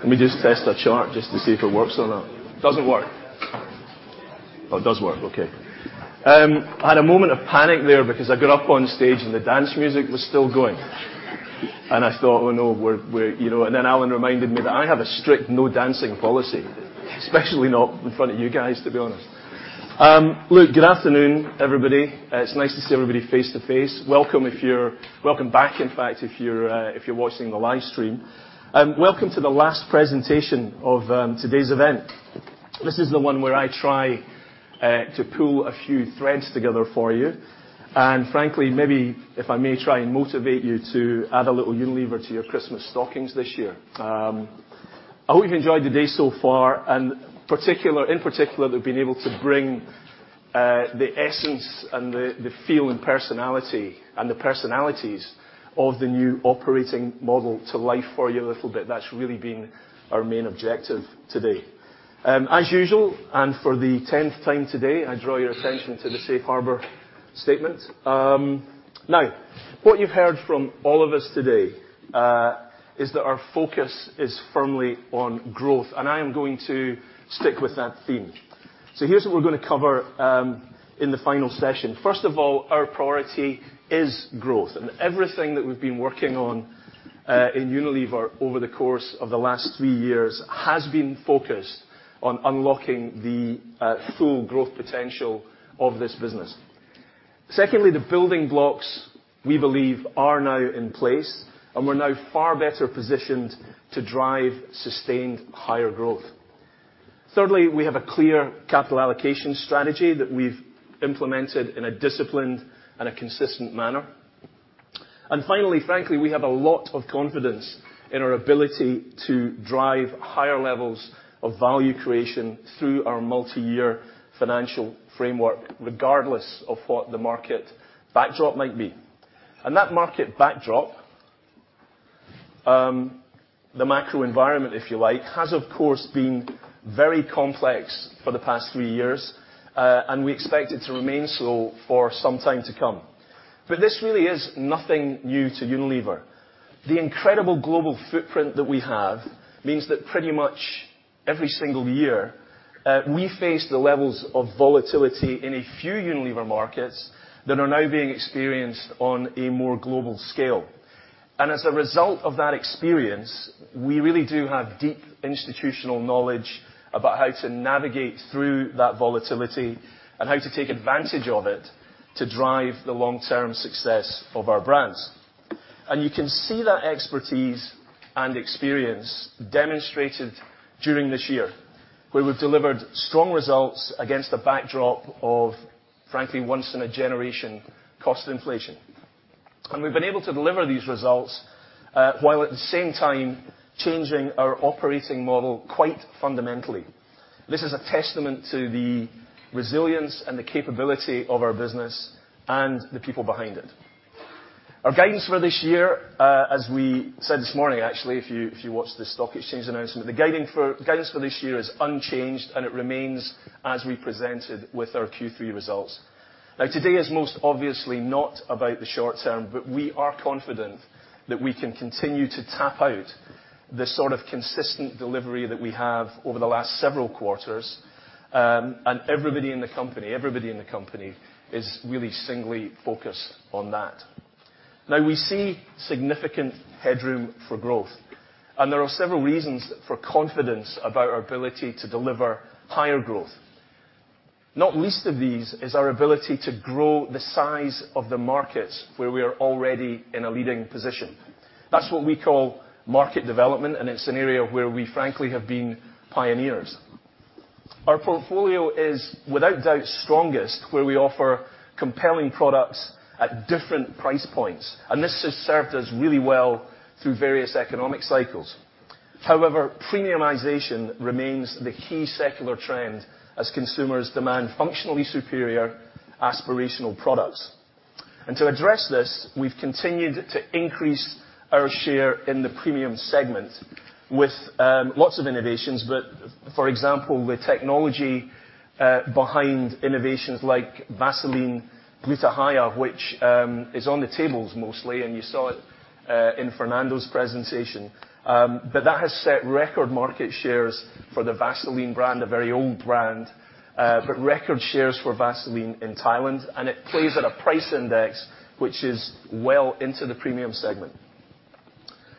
Let me just test our chart just to see if it works or not. Doesn't work. Oh, it does work. Okay. I had a moment of panic there because I got up on stage and the dance music was still going. I thought, "Oh, no, we're..." You know, Alan reminded me that I have a strict no dancing policy. Especially not in front of you guys, to be honest. Look, good afternoon, everybody. It's nice to see everybody face to face. Welcome if you're welcome back, in fact, if you're watching the live stream. Welcome to the last presentation of today's event. This is the one where I try to pull a few threads together for you, and frankly, maybe if I may try and motivate you to add a little Unilever to your Christmas stockings this year. I hope you enjoyed the day so far, in particular, we've been able to bring the essence and the feel and the personalities of the new operating model to life for you a little bit. That's really been our main objective today. As usual, and for the 10th time today, I draw your attention to the safe harbor statement. Now, what you've heard from all of us today, is that our focus is firmly on growth, and I am going to stick with that theme. Here's what we're gonna cover in the final session. First of all, our priority is growth, and everything that we've been working on in Unilever over the course of the last three years has been focused on unlocking the full growth potential of this business. Secondly, the building blocks we believe are now in place, and we're now far better positioned to drive sustained higher growth. Thirdly, we have a clear capital allocation strategy that we've implemented in a disciplined and a consistent manner. Finally, frankly, we have a lot of confidence in our ability to drive higher levels of value creation through our multi-year financial framework, regardless of what the market backdrop might be. That market backdrop, the macro environment, if you like, has of course been very complex for the past three years, and we expect it to remain so for some time to come. This really is nothing new to Unilever. The incredible global footprint that we have means that pretty much every single year, we face the levels of volatility in a few Unilever markets that are now being experienced on a more global scale. As a result of that experience, we really do have deep institutional knowledge about how to navigate through that volatility and how to take advantage of it to drive the long-term success of our brands. You can see that expertise and experience demonstrated during this year, where we've delivered strong results against a backdrop of, frankly, once in a generation cost inflation. We've been able to deliver these results while at the same time changing our operating model quite fundamentally. This is a testament to the resilience and the capability of our business and the people behind it. Our guidance for this year, as we said this morning, actually, if you watched the stock exchange announcement, guidance for this year is unchanged, and it remains as we presented with our Q3 results. Today is most obviously not about the short term, but we are confident that we can continue to tap out the sort of consistent delivery that we have over the last several quarters. Everybody in the company, is really singly focused on that. We see significant headroom for growth, and there are several reasons for confidence about our ability to deliver higher growth. Not least of these is our ability to grow the size of the markets where we are already in a leading position. That's what we call market development, and it's an area where we frankly have been pioneers. Our portfolio is without doubt strongest where we offer compelling products at different price points, and this has served us really well through various economic cycles. Premiumization remains the key secular trend as consumers demand functionally superior aspirational products. To address this, we've continued to increase our share in the premium segment with lots of innovations, but for example, the technology behind innovations like Vaseline Gluta-Hya, which is on the tables mostly, and you saw it in Fernando's presentation. But that has set record market shares for the Vaseline brand, a very old brand, but record shares for Vaseline in Thailand, and it plays at a price index which is well into the premium segment.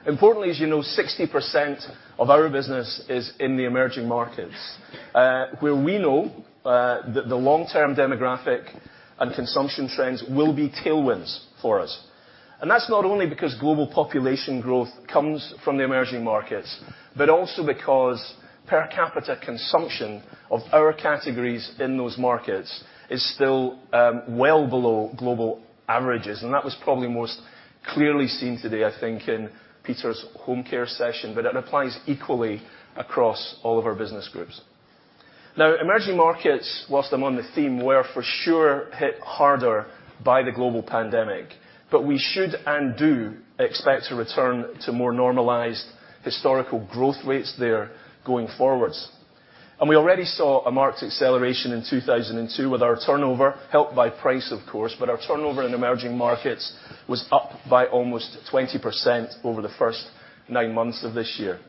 Importantly, as you know, 60% of our business is in the emerging markets, where we know the long-term demographic and consumption trends will be tailwinds for us. That's not only because global population growth comes from the emerging markets, but also because per capita consumption of our categories in those markets is still well below global averages, and that was probably most clearly seen today, I think, in Peter's Home Care session, but it applies equally across all of our business groups. Emerging markets, whilst I'm on the theme, were for sure hit harder by the global pandemic, but we should and do expect to return to more normalized historical growth rates there going forwards. We already saw a marked acceleration in 2002 with our turnover, helped by price of course, but our turnover in emerging markets was up by almost 20% over the first nine months of this year.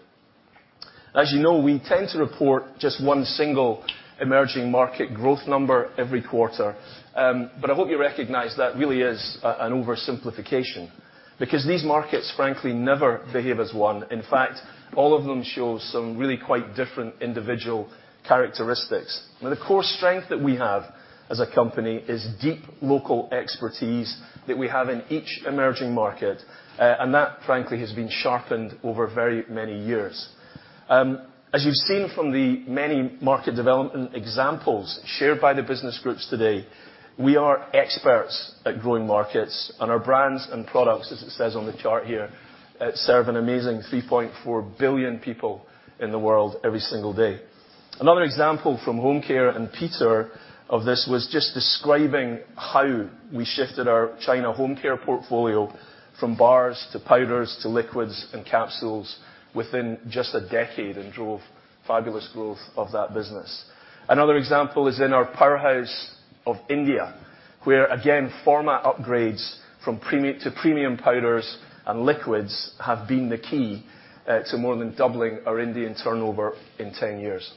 As you know, we tend to report just one single emerging market growth number every quarter. I hope you recognize that really is an oversimplification because these markets frankly never behave as one. In fact, all of them show some really quite different individual characteristics. The core strength that we have as a company is deep local expertise that we have in each emerging market, and that frankly has been sharpened over very many years. As you've seen from the many market development examples shared by the business groups today, we are experts at growing markets, and our brands and products, as it says on the chart here, serve an amazing 3.4 billion people in the world every single day. Another example from Home Care and Peter of this was just describing how we shifted our China Home Care portfolio from bars to powders to liquids and capsules within just a decade and drove fabulous growth of that business. Another example is in our powerhouse of India, where again, format upgrades from premium powders and liquids have been the key to more than doubling our Indian turnover in 10 years.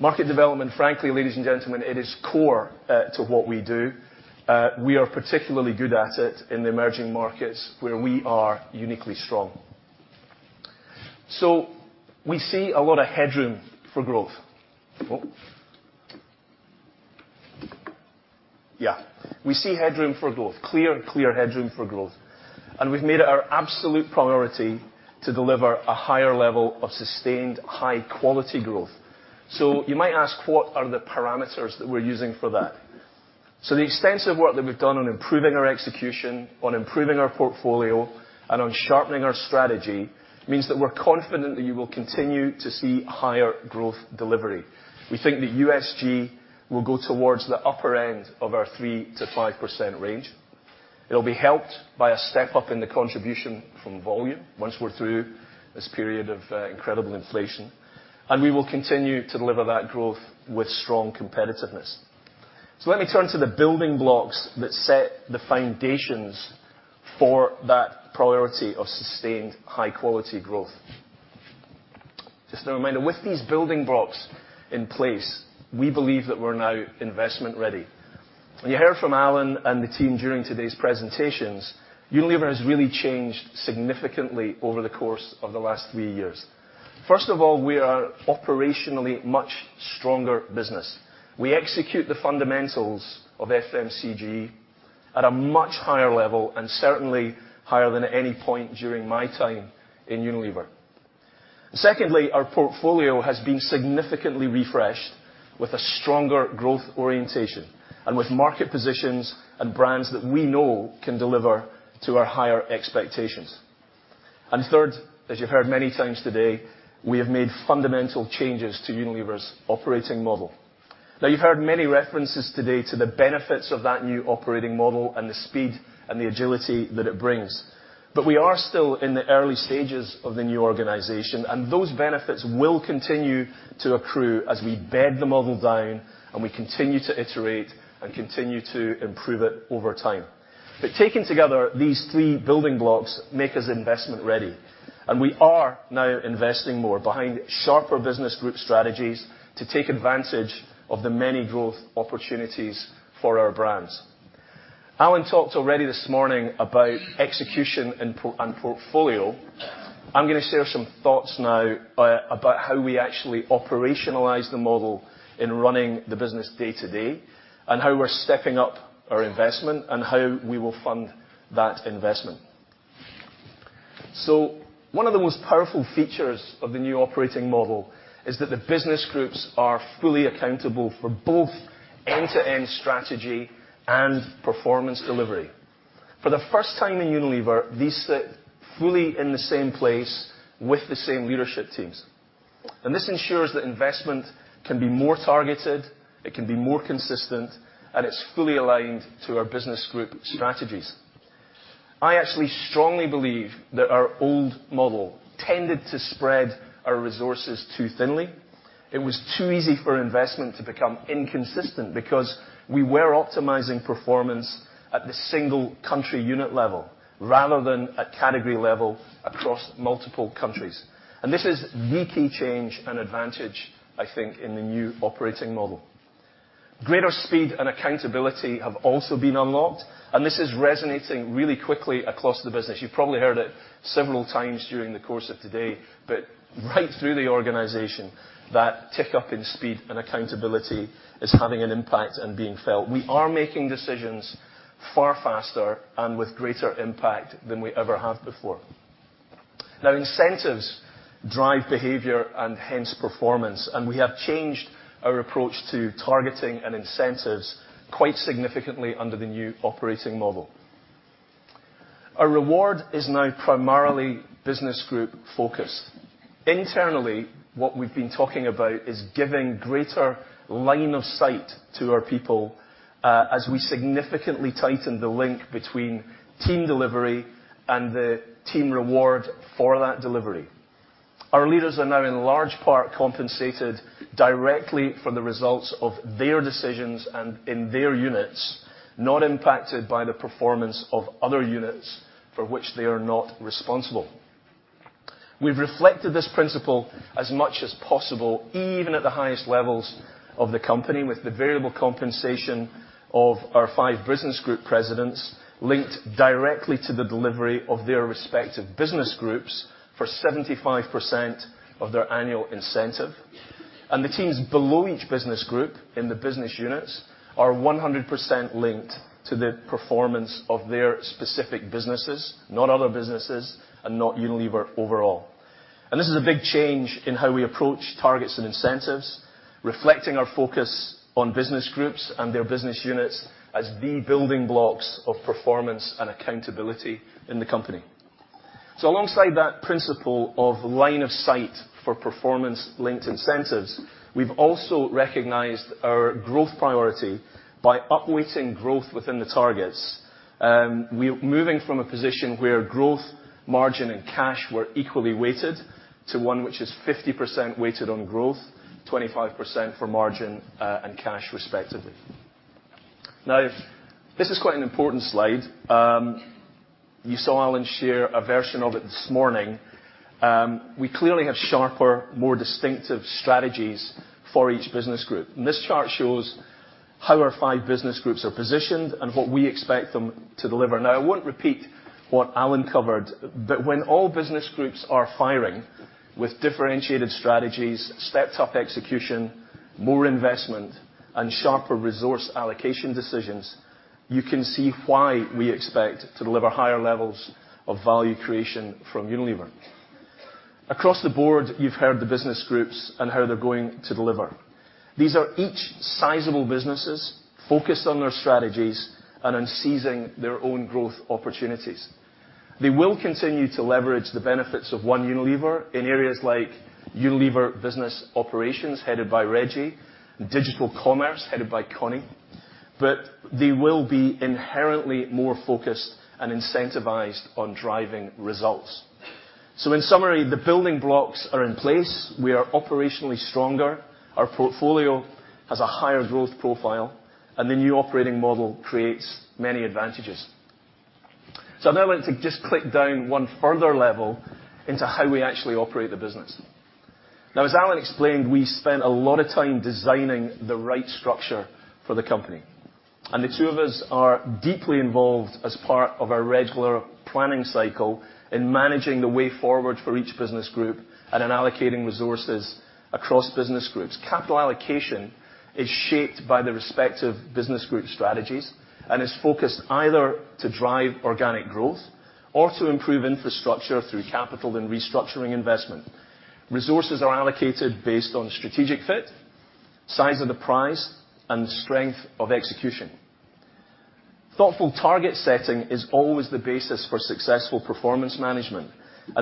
Market development, frankly, ladies and gentlemen, it is core to what we do. We are particularly good at it in the emerging markets where we are uniquely strong. We see a lot of headroom for growth. Oh. Yeah. We see headroom for growth. Clear headroom for growth. We've made it our absolute priority to deliver a higher level of sustained high quality growth. You might ask, what are the parameters that we're using for that? The extensive work that we've done on improving our execution, on improving our portfolio, and on sharpening our strategy means that we're confident that you will continue to see higher growth delivery. We think that USG will go towards the upper end of our 3%-5% range. It'll be helped by a step-up in the contribution from volume once we're through this period of incredible inflation, and we will continue to deliver that growth with strong competitiveness. Let me turn to the building blocks that set the foundations for that priority of sustained high-quality growth. Just a reminder, with these building blocks in place, we believe that we're now investment ready. You heard from Alan and the team during today's presentations, Unilever has really changed significantly over the course of the last three years. First of all, we are operationally much stronger business. We execute the fundamentals of FMCG at a much higher level and certainly higher than at any point during my time in Unilever. Secondly, our portfolio has been significantly refreshed with a stronger growth orientation and with market positions and brands that we know can deliver to our higher expectations. Third, as you've heard many times today, we have made fundamental changes to Unilever's operating model. Now you've heard many references today to the benefits of that new operating model and the speed and the agility that it brings. We are still in the early stages of the new organization, and those benefits will continue to accrue as we bed the model down and we continue to iterate and continue to improve it over time. Taken together, these three building blocks make us investment ready, and we are now investing more behind sharper business group strategies to take advantage of the many growth opportunities for our brands. Alan talked already this morning about execution and portfolio. I'm gonna share some thoughts now about how we actually operationalize the model in running the business day to day, and how we're stepping up our investment and how we will fund that investment. One of the most powerful features of the new operating model is that the business groups are fully accountable for both end-to-end strategy and performance delivery. For the first time in Unilever, these sit fully in the same place with the same leadership teams. This ensures that investment can be more targeted, it can be more consistent, and it's fully aligned to our business group strategies. I actually strongly believe that our old model tended to spread our resources too thinly. It was too easy for investment to become inconsistent because we were optimizing performance at the single country unit level rather than at category level across multiple countries. This is the key change and advantage, I think, in the new operating model. Greater speed and accountability have also been unlocked, and this is resonating really quickly across the business. You probably heard it several times during the course of today, but right through the organization, that tick-up in speed and accountability is having an impact and being felt. We are making decisions far faster and with greater impact than we ever have before. Now, incentives drive behavior and hence performance, and we have changed our approach to targeting and incentives quite significantly under the new operating model. Our reward is now primarily business group-focused. Internally, what we've been talking about is giving greater line of sight to our people, as we significantly tighten the link between team delivery and the team reward for that delivery. Our leaders are now in large part compensated directly from the results of their decisions and in their units, not impacted by the performance of other units for which they are not responsible. We've reflected this principle as much as possible, even at the highest levels of the company, with the variable compensation of our five business group presidents linked directly to the delivery of their respective business groups for 75% of their annual incentive. The teams below each business group in the business units are 100% linked to the performance of their specific businesses, not other businesses and not Unilever overall. This is a big change in how we approach targets and incentives, reflecting our focus on business groups and their business units as the building blocks of performance and accountability in the company. Alongside that principle of line of sight for performance-linked incentives, we've also recognized our growth priority by upweighting growth within the targets. We're moving from a position where growth, margin, and cash were equally weighted to one which is 50% weighted on growth, 25% for margin, and cash respectively. This is quite an important slide. You saw Alan share a version of it this morning. We clearly have sharper, more distinctive strategies for each business group. This chart shows how our five business groups are positioned and what we expect them to deliver. I won't repeat what Alan covered, but when all business groups are firing with differentiated strategies, stepped up execution, more investment, and sharper resource allocation decisions, you can see why we expect to deliver higher levels of value creation from Unilever. Across the board, you've heard the business groups and how they're going to deliver. These are each sizable businesses focused on their strategies and on seizing their own growth opportunities. They will continue to leverage the benefits of One Unilever in areas like Unilever Business Operations headed by Reggie, and Digital Commerce headed by Conny. They will be inherently more focused and incentivized on driving results. In summary, the building blocks are in place. We are operationally stronger. Our portfolio has a higher growth profile, and the new operating model creates many advantages. I now want to just click down one further level into how we actually operate the business. As Alan explained, we spent a lot of time designing the right structure for the company, and the two of us are deeply involved as part of our regular planning cycle in managing the way forward for each business group and in allocating resources across business groups. Capital allocation is shaped by the respective business group strategies and is focused either to drive organic growth or to improve infrastructure through capital and restructuring investment. Resources are allocated based on strategic fit, size of the prize, and the strength of execution. Thoughtful target setting is always the basis for successful performance management.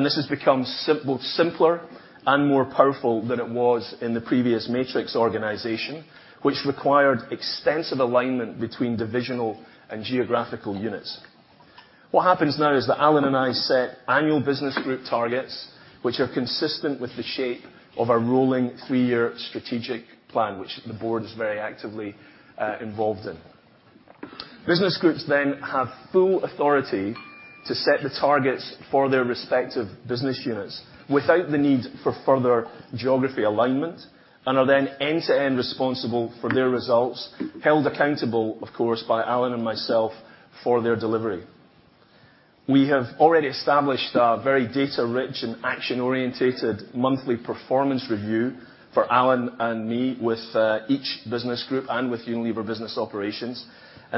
This has become both simpler and more powerful than it was in the previous matrix organization, which required extensive alignment between divisional and geographical units. What happens now is that Alan and I set annual business group targets which are consistent with the shape of our rolling three-year strategic plan, which the board is very actively involved in. Business groups have full authority to set the targets for their respective business units without the need for further geography alignment, are then end-to-end responsible for their results, held accountable, of course, by Alan and myself for their delivery. We have already established a very data-rich and action-oriented monthly performance review for Alan and me with each business group and with Unilever Business Operations.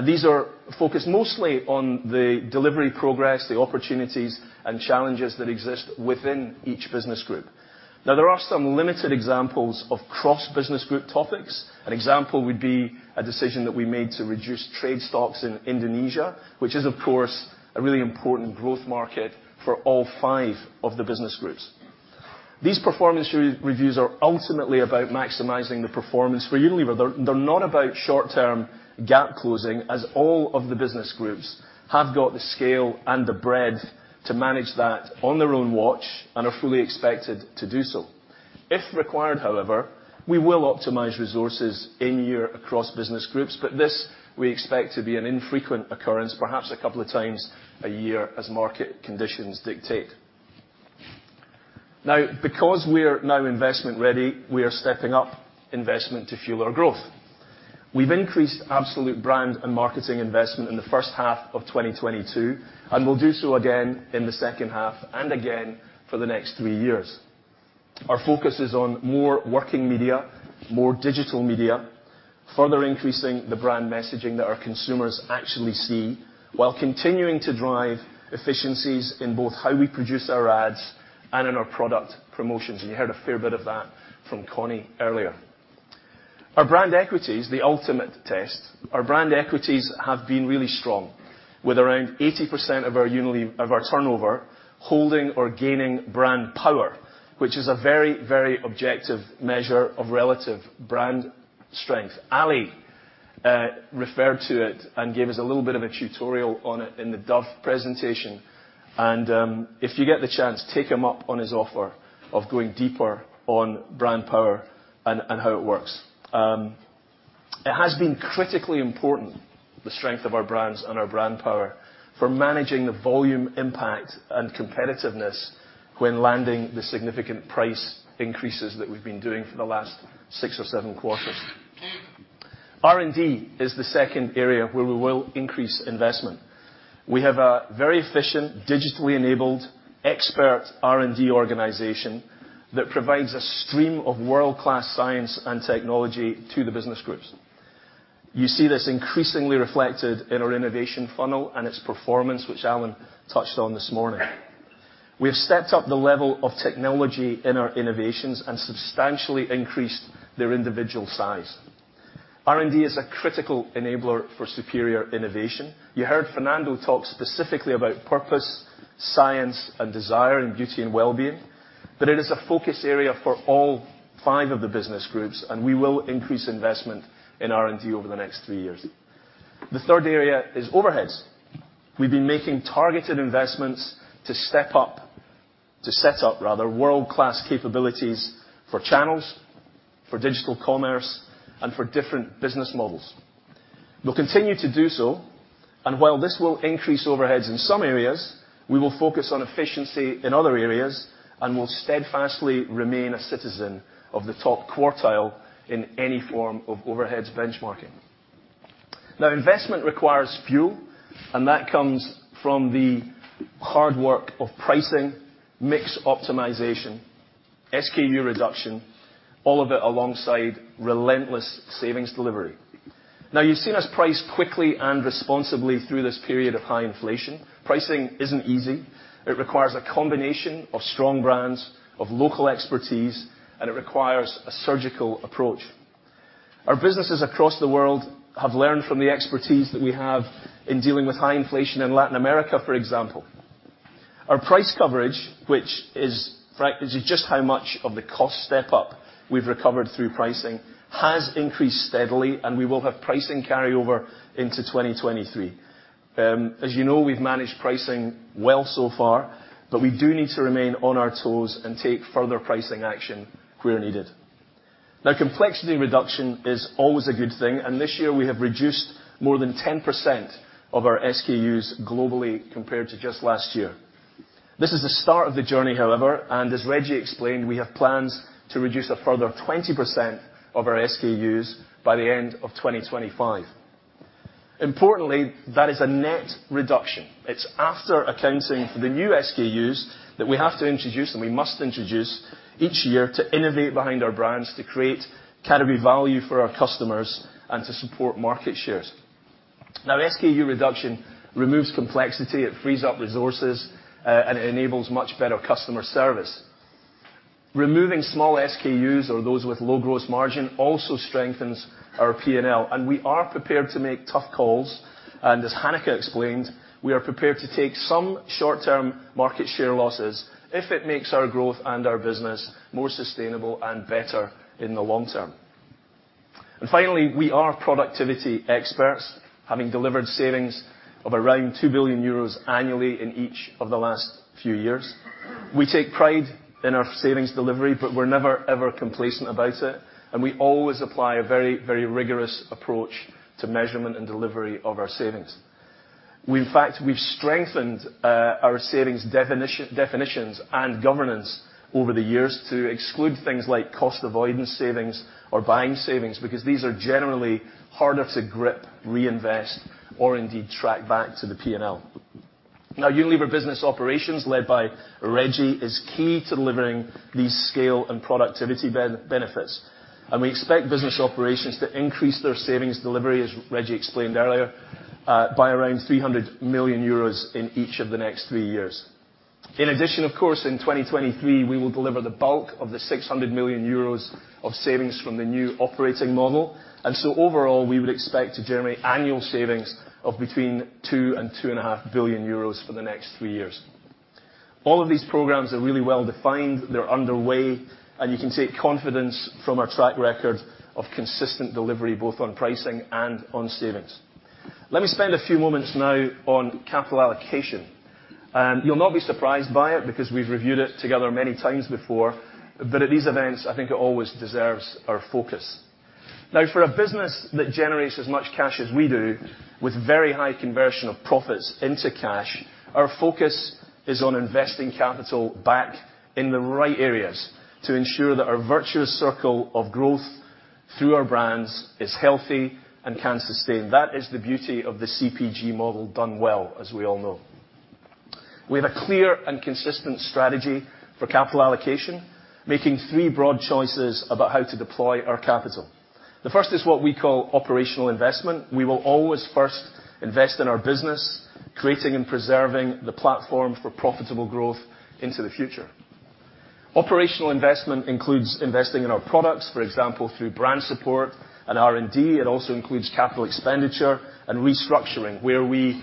These are focused mostly on the delivery progress, the opportunities, and challenges that exist within each business group. There are some limited examples of cross-business group topics. An example would be a decision that we made to reduce trade stocks in Indonesia, which is, of course, a really important growth market for all five of the business groups. These performance re-reviews are ultimately about maximizing the performance for Unilever. They're not about short-term gap closing, as all of the business groups have got the scale and the breadth to manage that on their own watch and are fully expected to do so. If required, however, we will optimize resources in year across business groups, but this we expect to be an infrequent occurrence, perhaps a couple of times a year as market conditions dictate. Because we're now investment ready, we are stepping up investment to fuel our growth. We've increased absolute brand and marketing investment in the first half of 2022, and we'll do so again in the second half and again for the next three years. Our focus is on more working media, more digital media, further increasing the brand messaging that our consumers actually see, while continuing to drive efficiencies in both how we produce our ads and in our product promotions. You heard a fair bit of that from Conny earlier. Our brand equities, the ultimate test, our brand equities have been really strong, with around 80% of our turnover holding or gaining brand power, which is a very, very objective measure of relative brand strength. Ali referred to it and gave us a little bit of a tutorial on it in the Dove presentation. If you get the chance, take him up on his offer of going deeper on brand power and how it works. It has been critically important, the strength of our brands and our brand power, for managing the volume impact and competitiveness when landing the significant price increases that we've been doing for the last six or seven quarters. R&D is the second area where we will increase investment. We have a very efficient, digitally enabled expert R&D organization that provides a stream of world-class science and technology to the business groups. You see this increasingly reflected in our innovation funnel and its performance, which Alan touched on this morning. We have stepped up the level of technology in our innovations and substantially increased their individual size. R&D is a critical enabler for superior innovation. You heard Fernando talk specifically about purpose, science, and desire in Beauty and Wellbeing, but it is a focus area for all five of the business groups, and we will increase investment in R&D over the next three years. The third area is overheads. We've been making targeted investments to set up, rather, world-class capabilities for channels, for digital commerce, and for different business models. We'll continue to do so, and while this will increase overheads in some areas, we will focus on efficiency in other areas, and we'll steadfastly remain a citizen of the top quartile in any form of overheads benchmarking. Now, investment requires fuel, and that comes from the hard work of pricing, mix optimization, SKU reduction, all of it alongside relentless savings delivery. Now, you've seen us price quickly and responsibly through this period of high inflation. Pricing isn't easy. It requires a combination of strong brands, of local expertise, and it requires a surgical approach. Our businesses across the world have learned from the expertise that we have in dealing with high inflation in Latin America, for example. Our price coverage, which is just how much of the cost step-up we've recovered through pricing, has increased steadily, and we will have pricing carry over into 2023. As you know, we've managed pricing well so far, but we do need to remain on our toes and take further pricing action where needed. Complexity reduction is always a good thing, and this year we have reduced more than 10% of our SKUs globally compared to just last year. This is the start of the journey, however, and as Reggie explained, we have plans to reduce a further 20% of our SKUs by the end of 2025. Importantly, that is a net reduction. It's after accounting for the new SKUs that we have to introduce, and we must introduce, each year to innovate behind our brands to create category value for our customers and to support market shares. SKU reduction removes complexity, it frees up resources, and it enables much better customer service. Removing small SKUs or those with low gross margin also strengthens our P&L, and we are prepared to make tough calls. As Hanneke explained, we are prepared to take some short-term market share losses if it makes our growth and our business more sustainable and better in the long term. Finally, we are productivity experts, having delivered savings of around 2 billion euros annually in each of the last few years. We take pride in our savings delivery, but we're never, ever complacent about it, and we always apply a very, very rigorous approach to measurement and delivery of our savings. We in fact, we've strengthened our savings definitions and governance over the years to exclude things like cost avoidance savings or buying savings because these are generally harder to grip, reinvest, or indeed track back to the P&L. Unilever Business Operations, led by Reggie, is key to delivering these scale and productivity benefits, and we expect business operations to increase their savings delivery, as Reggie explained earlier, by around 300 million euros in each of the next three years. In addition, of course, in 2023, we will deliver the bulk of the 600 million euros of savings from the new operating model. Overall, we would expect to generate annual savings of between 2 billion euros and 2.5 billion euros for the next three years. All of these programs are really well defined. They're underway, and you can take confidence from our track record of consistent delivery, both on pricing and on savings. Let me spend a few moments now on capital allocation. You'll not be surprised by it, because we've reviewed it together many times before, but at these events, I think it always deserves our focus. For a business that generates as much cash as we do, with very high conversion of profits into cash, our focus is on investing capital back in the right areas to ensure that our virtuous circle of growth through our brands is healthy and can sustain. That is the beauty of the CPG model done well, as we all know. We have a clear and consistent strategy for capital allocation, making three broad choices about how to deploy our capital. The first is what we call operational investment. We will always first invest in our business, creating and preserving the platform for profitable growth into the future. Operational investment includes investing in our products, for example, through brand support and R&D. It also includes capital expenditure and restructuring where we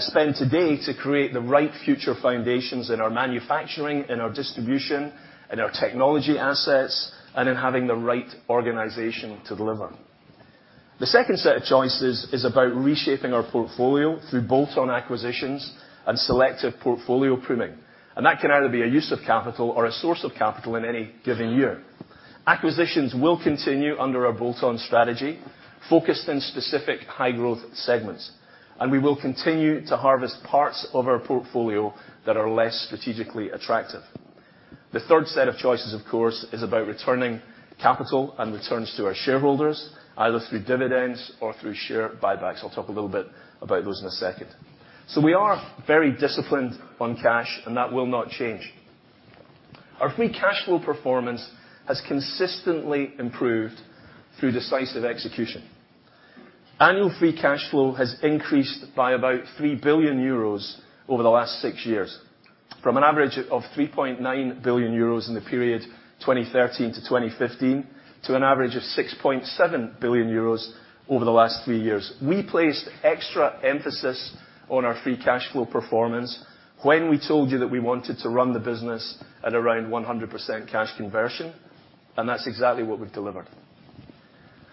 spend today to create the right future foundations in our manufacturing, in our distribution, in our technology assets, and in having the right organization to deliver. The second set of choices is about reshaping our portfolio through bolt-on acquisitions and selective portfolio pruning. That can either be a use of capital or a source of capital in any given year. Acquisitions will continue under our bolt-on strategy, focused in specific high-growth segments. We will continue to harvest parts of our portfolio that are less strategically attractive. The third set of choices, of course, is about returning capital and returns to our shareholders, either through dividends or through share buybacks. I'll talk a little bit about those in a second. We are very disciplined on cash, and that will not change. Our free cash flow performance has consistently improved through decisive execution. Annual free cash flow has increased by about 3 billion euros over the last six years, from an average of 3.9 billion euros in the period 2013 to 2015, to an average of 6.7 billion euros over the last three years. We placed extra emphasis on our free cash flow performance when we told you that we wanted to run the business at around 100% cash conversion, and that's exactly what we've delivered.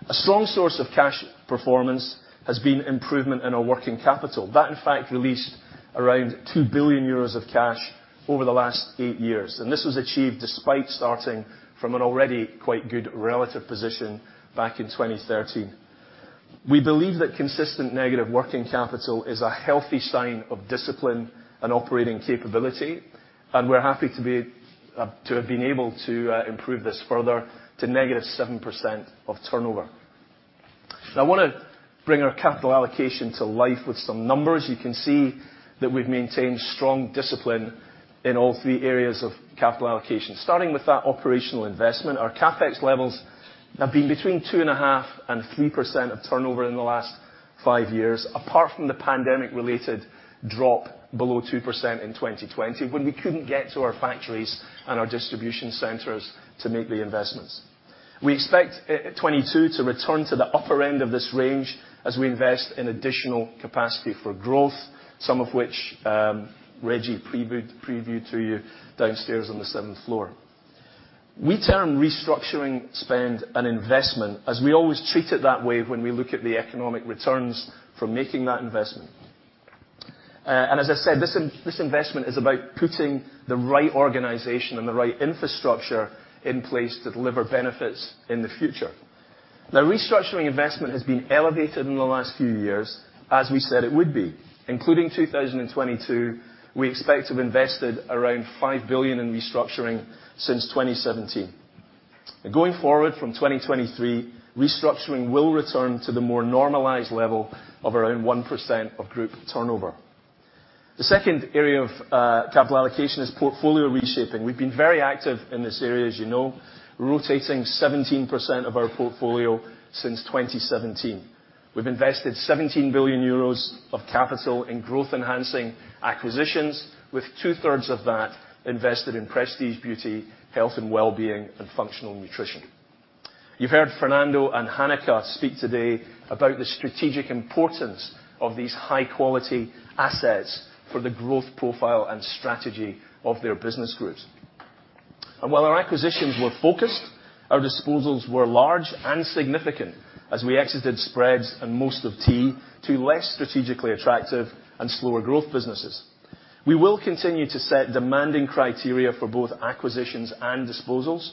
A strong source of cash performance has been improvement in our working capital. That, in fact, released around 2 billion euros of cash over the last eight years. This was achieved despite starting from an already quite good relative position back in 2013. We believe that consistent negative working capital is a healthy sign of discipline and operating capability, and we're happy to have been able to improve this further to -7% of turnover. I wanna bring our capital allocation to life with some numbers. You can see that we've maintained strong discipline in all three areas of capital allocation. Starting with our operational investment, our CapEx levels have been between 2.5% and 3% of turnover in the last five years, apart from the pandemic-related drop below 2% in 2020 when we couldn't get to our factories and our distribution centers to make the investments. We expect 2022 to return to the upper end of this range as we invest in additional capacity for growth, some of which Reggie previewed to you downstairs on the seventh floor. We term restructuring spend an investment, as we always treat it that way when we look at the economic returns from making that investment. As I said, this investment is about putting the right organization and the right infrastructure in place to deliver benefits in the future. Restructuring investment has been elevated in the last few years, as we said it would be. Including 2022, we expect to have invested around 5 billion in restructuring since 2017. Going forward from 2023, restructuring will return to the more normalized level of around 1% of group turnover. The second area of capital allocation is portfolio reshaping. We've been very active in this area, as you know, rotating 17% of our portfolio since 2017. We've invested 17 billion euros of capital in growth-enhancing acquisitions, with 2/3 of that invested in Prestige Beauty, Health and Wellbeing, and Functional Nutrition. You've heard Fernando and Hanneke speak today about the strategic importance of these high-quality assets for the growth profile and strategy of their business groups. While our acquisitions were focused, our disposals were large and significant as we exited spreads and most of tea to less strategically attractive and slower growth businesses. We will continue to set demanding criteria for both acquisitions and disposals.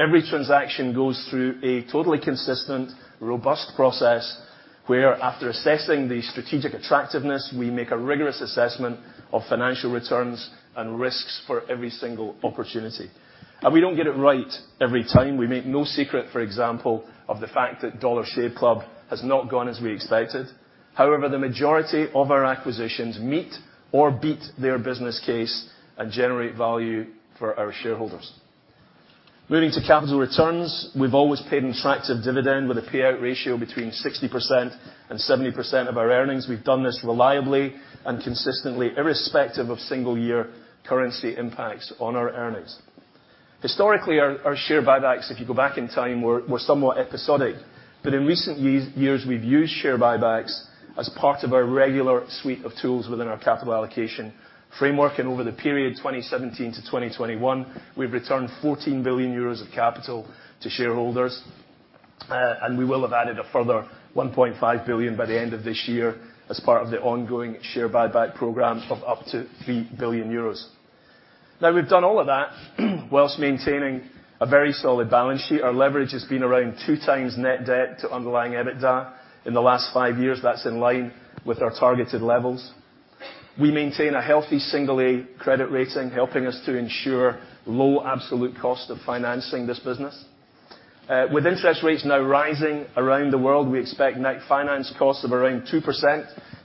Every transaction goes through a totally consistent, robust process where, after assessing the strategic attractiveness, we make a rigorous assessment of financial returns and risks for every single opportunity. We don't get it right every time. We make no secret, for example, of the fact that Dollar Shave Club has not gone as we expected. The majority of our acquisitions meet or beat their business case and generate value for our shareholders. Moving to capital returns, we've always paid an attractive dividend with a payout ratio between 60% and 70% of our earnings. We've done this reliably and consistently, irrespective of single-year currency impacts on our earnings. Historically, our share buybacks, if you go back in time, were somewhat episodic. In recent years, we've used share buybacks as part of our regular suite of tools within our capital allocation framework. Over the period 2017 to 2021, we've returned 14 billion euros of capital to shareholders. We will have added a further 1.5 billion by the end of this year as part of the ongoing share buyback program of up to 3 billion euros. We've done all of that whilst maintaining a very solid balance sheet. Our leverage has been around 2x net debt to underlying EBITDA in the last five years. That's in line with our targeted levels. We maintain a healthy single A credit rating, helping us to ensure low absolute cost of financing this business. With interest rates now rising around the world, we expect net finance costs of around 2%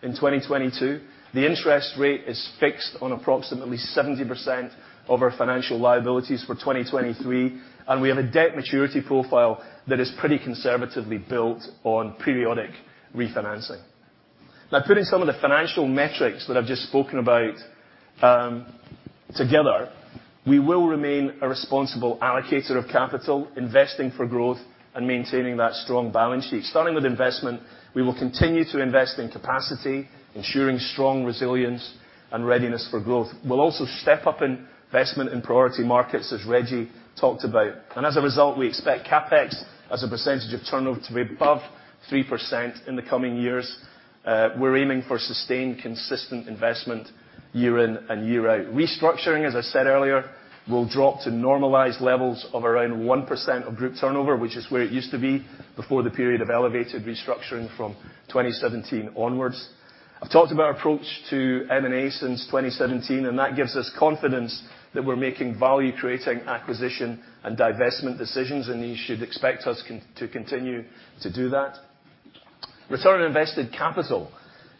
in 2022. The interest rate is fixed on approximately 70% of our financial liabilities for 2023, and we have a debt maturity profile that is pretty conservatively built on periodic refinancing. Put in some of the financial metrics that I've just spoken about. Together, we will remain a responsible allocator of capital, investing for growth and maintaining that strong balance sheet. Starting with investment, we will continue to invest in capacity, ensuring strong resilience and readiness for growth. We'll also step up investment in priority markets, as Reggie talked about. As a result, we expect CapEx as a percentage of turnover to be above 3% in the coming years. We're aiming for sustained consistent investment year in and year out. Restructuring, as I said earlier, will drop to normalized levels of around 1% of group turnover, which is where it used to be before the period of elevated restructuring from 2017 onwards. I've talked about our approach to M&A since 2017, and that gives us confidence that we're making value-creating acquisition and divestment decisions, and you should expect us to continue to do that. Return on invested capital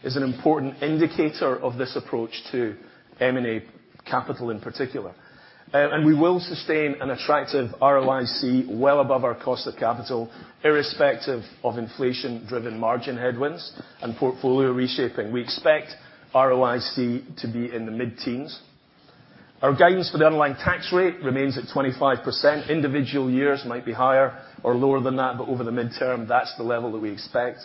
is an important indicator of this approach to M&A capital in particular. We will sustain an attractive ROIC well above our cost of capital, irrespective of inflation-driven margin headwinds and portfolio reshaping. We expect ROIC to be in the mid-teens. Our guidance for the underlying tax rate remains at 25%. Individual years might be higher or lower than that, but over the midterm, that's the level that we expect.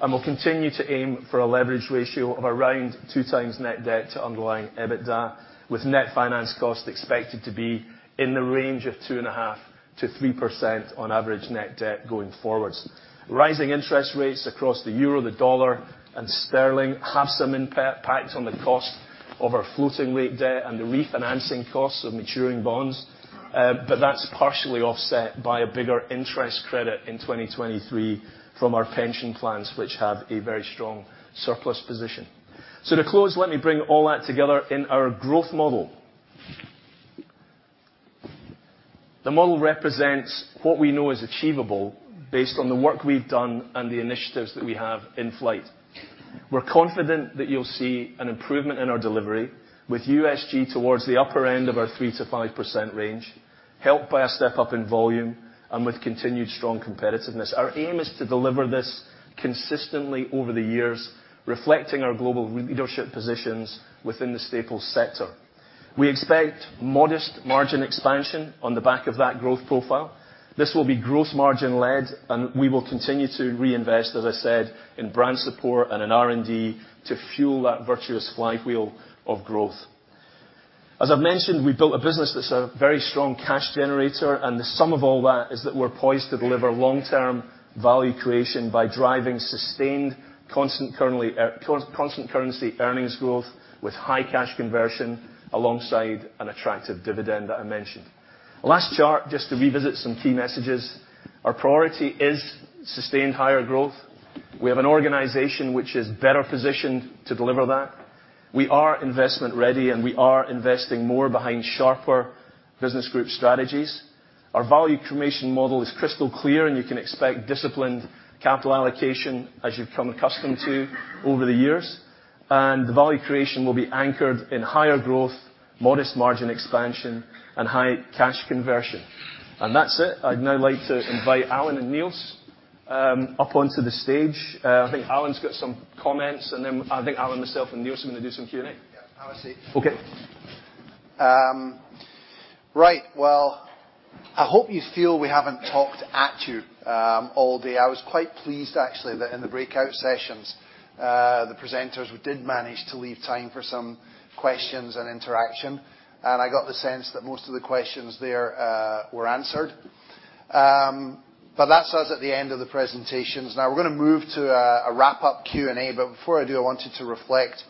We'll continue to aim for a leverage ratio of around 2x net debt to underlying EBITDA, with net finance cost expected to be in the range of 2.5%-3% on average net debt going forwards. Rising interest rates across the euro, the dollar and sterling have some impact on the cost of our floating rate debt and the refinancing costs of maturing bonds. That's partially offset by a bigger interest credit in 2023 from our pension plans, which have a very strong surplus position. To close, let me bring all that together in our growth model. The model represents what we know is achievable based on the work we've done and the initiatives that we have in flight. We're confident that you'll see an improvement in our delivery, with USG towards the upper end of our 3%-5% range, helped by a step up in volume and with continued strong competitiveness. Our aim is to deliver this consistently over the years, reflecting our global leadership positions within the staples sector. We expect modest margin expansion on the back of that growth profile. This will be growth margin-led. We will continue to reinvest, as I said, in brand support and in R&D to fuel that virtuous flywheel of growth. As I've mentioned, we've built a business that's a very strong cash generator. The sum of all that is that we're poised to deliver long-term value creation by driving sustained constant currently, constant currency earnings growth with high cash conversion alongside an attractive dividend that I mentioned. Last chart, just to revisit some key messages. Our priority is sustained higher growth. We have an organization which is better positioned to deliver that. We are investment ready. We are investing more behind sharper business group strategies. Our value creation model is crystal clear. You can expect disciplined capital allocation as you've become accustomed to over the years. The value creation will be anchored in higher growth, modest margin expansion, and high cash conversion. That's it. I'd now like to invite Alan and Nils up onto the stage. I think Alan's got some comments, and then I think Alan, myself, and Nils are gonna do some Q&A. Yeah. Have a seat. Okay. Right. Well, I hope you feel we haven't talked at you all day. I was quite pleased, actually, that in the breakout sessions, the presenters did manage to leave time for some questions and interaction, and I got the sense that most of the questions there were answered. That's us at the end of the presentations. Now, we're gonna move to a wrap-up Q&A. Before I do, I wanted to reflect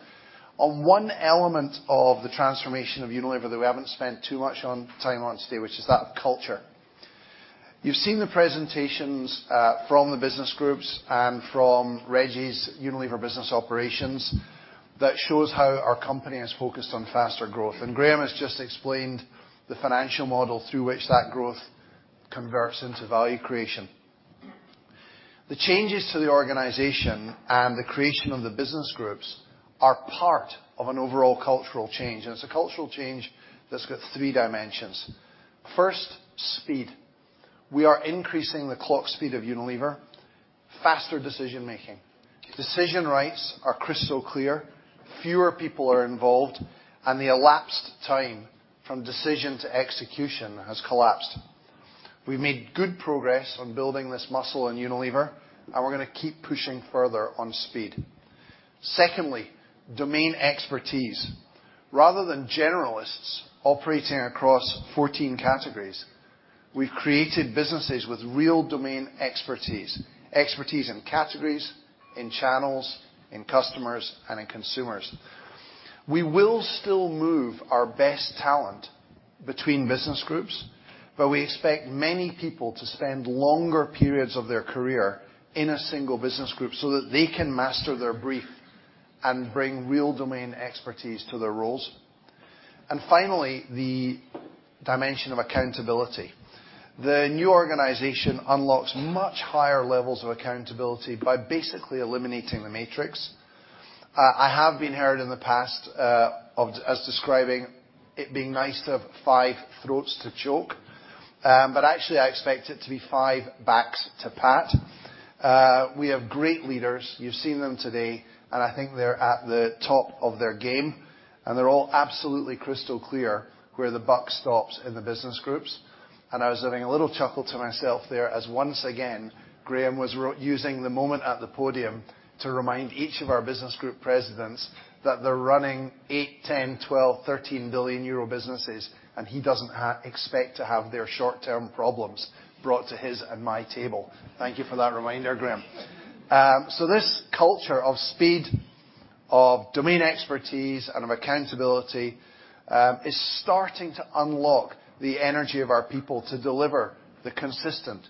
on one element of the transformation of Unilever that we haven't spent too much on, time on today, which is that of culture. You've seen the presentations from the business groups and from Reggie's Unilever Business Operations that shows how our company is focused on faster growth, and Graeme has just explained the financial model through which that growth converts into value creation. The changes to the organization and the creation of the business groups are part of an overall cultural change. It's a cultural change that's got three dimensions. First, speed. We are increasing the clock speed of Unilever. Faster decision-making. Decision rights are crystal clear, fewer people are involved. The elapsed time from decision to execution has collapsed. We've made good progress on building this muscle in Unilever. We're gonna keep pushing further on speed. Secondly, domain expertise. Rather than generalists operating across 14 categories, we've created businesses with real domain expertise. Expertise in categories, in channels, in customers, and in consumers. We will still move our best talent between business groups. We expect many people to spend longer periods of their career in a single business group, so that they can master their brief and bring real domain expertise to their roles. Finally, the dimension of accountability. The new organization unlocks much higher levels of accountability by basically eliminating the matrix. I have been heard in the past, of, as describing it being nice to have five throats to choke. But actually I expect it to be five backs to pat. We have great leaders. You've seen them today, and I think they're at the top of their game, and they're all absolutely crystal clear where the buck stops in the business groups. I was having a little chuckle to myself there as once again, Graeme was using the moment at the podium to remind each of our business group presidents that they're running 8, 10, 12, 13 billion euro businesses, and he doesn't expect to have their short-term problems brought to his and my table. Thank you for that reminder, Graeme. This culture of speed, of domain expertise and of accountability is starting to unlock the energy of our people to deliver the consistent,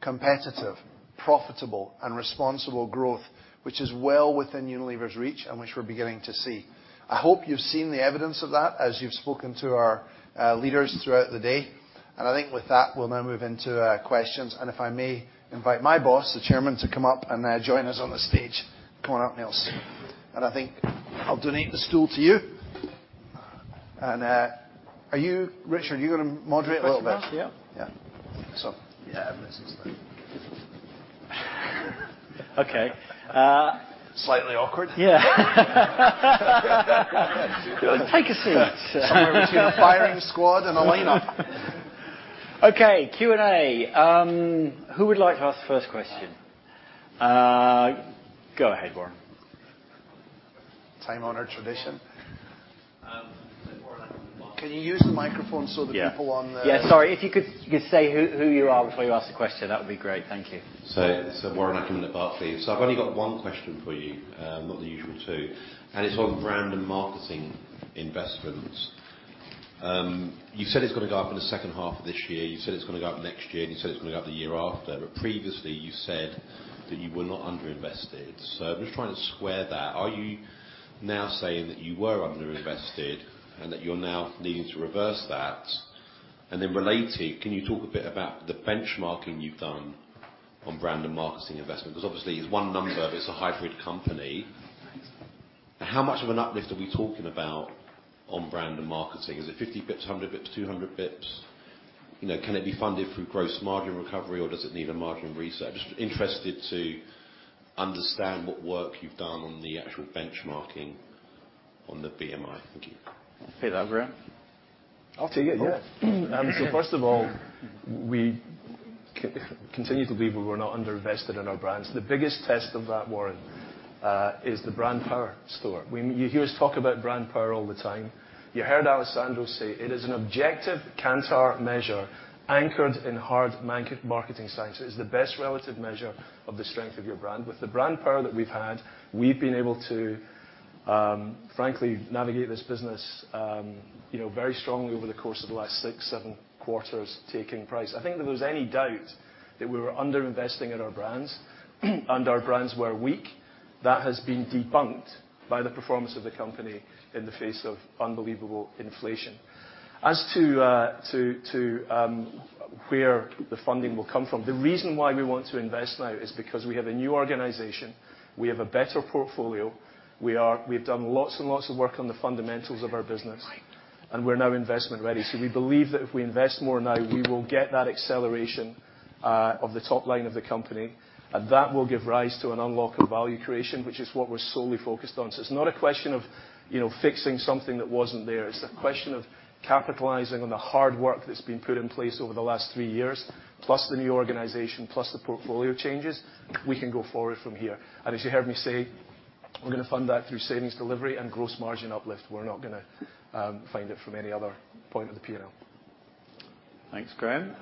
competitive, profitable and responsible growth, which is well within Unilever's reach and which we're beginning to see. I hope you've seen the evidence of that as you've spoken to our leaders throughout the day. I think with that, we'll now move into questions. If I may invite my boss, the Chairman, to come up and join us on the stage. Come on up, Nils. I think I'll donate the stool to you. Richard, are you gonna moderate a little bit? Yes, yeah. Yeah. Yeah. Okay. Slightly awkward. Yeah. Take a seat. Somewhere between a firing squad and a line-up. Okay, Q&A. Who would like to ask the first question? Go ahead, Warren. Time-honored tradition. Can you use the microphone so the people on the- Yeah. Yeah, sorry, if you could say who you are before you ask the question, that would be great. Thank you. Warren Ackerman at Barclays. I've only got one question for you, not the usual two, and it's on brand and marketing investments. You said it's gonna go up in the second half of this year. You said it's gonna go up next year, and you said it's gonna go up the year after. Previously you said that you were not underinvested. I'm just trying to square that. Are you now saying that you were underinvested and that you're now needing to reverse that? Related, can you talk a bit about the benchmarking you've done on brand and marketing investment? Because obviously it's one number, but it's a hybrid company. How much of an uplift are we talking about on brand and marketing? Is it 50 basis points, 100 basis points, 200 basis points? You know, can it be funded through gross margin recovery, or does it need a margin reset? Just interested to understand what work you've done on the actual benchmarking on the BMI. Thank you. Take that, Graeme. I'll take it, yeah. First of all, we continue to believe we were not underinvested in our brands. The biggest test of that, Warren, is the brand power store. When you hear us talk about brand power all the time, you heard Alessandro say it is an objective Kantar measure anchored in hard market-marketing science. It is the best relative measure of the strength of your brand. With the brand power that we've had, we've been able to, frankly navigate this business, you know, very strongly over the course of the last six, seven quarters, taking price. I think if there was any doubt that we were underinvesting in our brands, and our brands were weak, that has been debunked by the performance of the company in the face of unbelievable inflation. As to where the funding will come from, the reason why we want to invest now is because we have a new organization, we have a better portfolio, we've done lots and lots of work on the fundamentals of our business, and we're now investment ready. We believe that if we invest more now, we will get that acceleration of the top line of the company, and that will give rise to an unlock of value creation, which is what we're solely focused on. It's not a question of, you know, fixing something that wasn't there. It's a question of capitalizing on the hard work that's been put in place over the last three years, plus the new organization, plus the portfolio changes. We can go forward from here. As you heard me say, we're gonna fund that through savings delivery and gross margin uplift. We're not gonna find it from any other point of the P&L. Thanks, Graeme.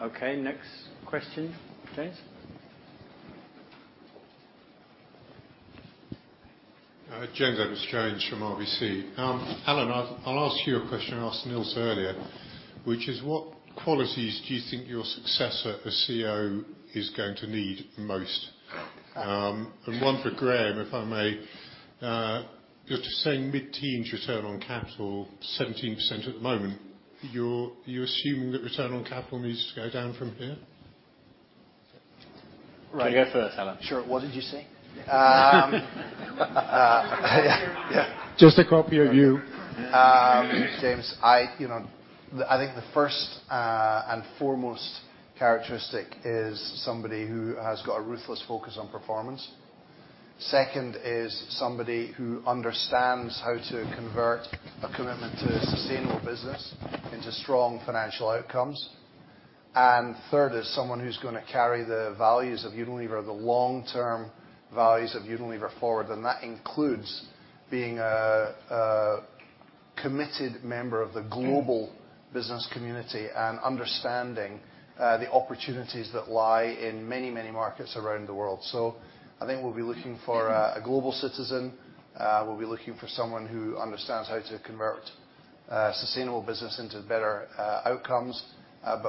Next question. James? James Edwardes-Jones from RBC. Alan, I'll ask you a question I asked Nils earlier, which is what qualities do you think your successor as CEO is going to need most? One for Graeme, if I may. You're saying mid-teens return on capital, 17% at the moment. You're assuming that return on capital needs to go down from here? Right. You go first, Alan. Sure. What did you say? Yeah. Just a copy of you. James, I, you know, I think the first and foremost characteristic is somebody who has got a ruthless focus on performance. Second is somebody who understands how to convert a commitment to sustainable business into strong financial outcomes. Third is someone who's gonna carry the values of Unilever, the long-term values of Unilever forward, and that includes being a committed member of the global business community and understanding the opportunities that lie in many, many markets around the world. I think we'll be looking for a global citizen. We'll be looking for someone who understands how to convert sustainable business into better outcomes.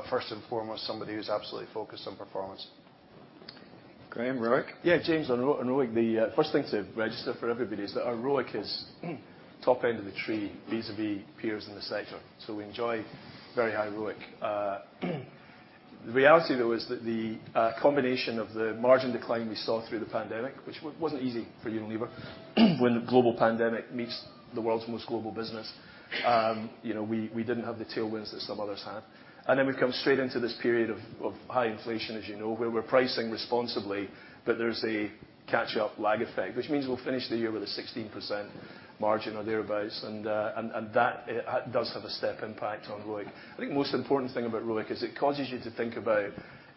First and foremost, somebody who's absolutely focused on performance. Graeme, ROIC? Yeah, James, on ROIC, the first thing to register for everybody is that our ROIC is top end of the tree vis-à-vis peers in the sector. We enjoy very high ROIC. The reality though is that the combination of the margin decline we saw through the pandemic, which wasn't easy for Unilever when the global pandemic meets the world's most global business, you know, we didn't have the tailwinds that some others had. We've come straight into this period of high inflation, as you know, where we're pricing responsibly, but there's a catch-up lag effect, which means we'll finish the year with a 16% margin or thereabouts. That does have a step impact on ROIC. I think most important thing about ROIC is it causes you to think about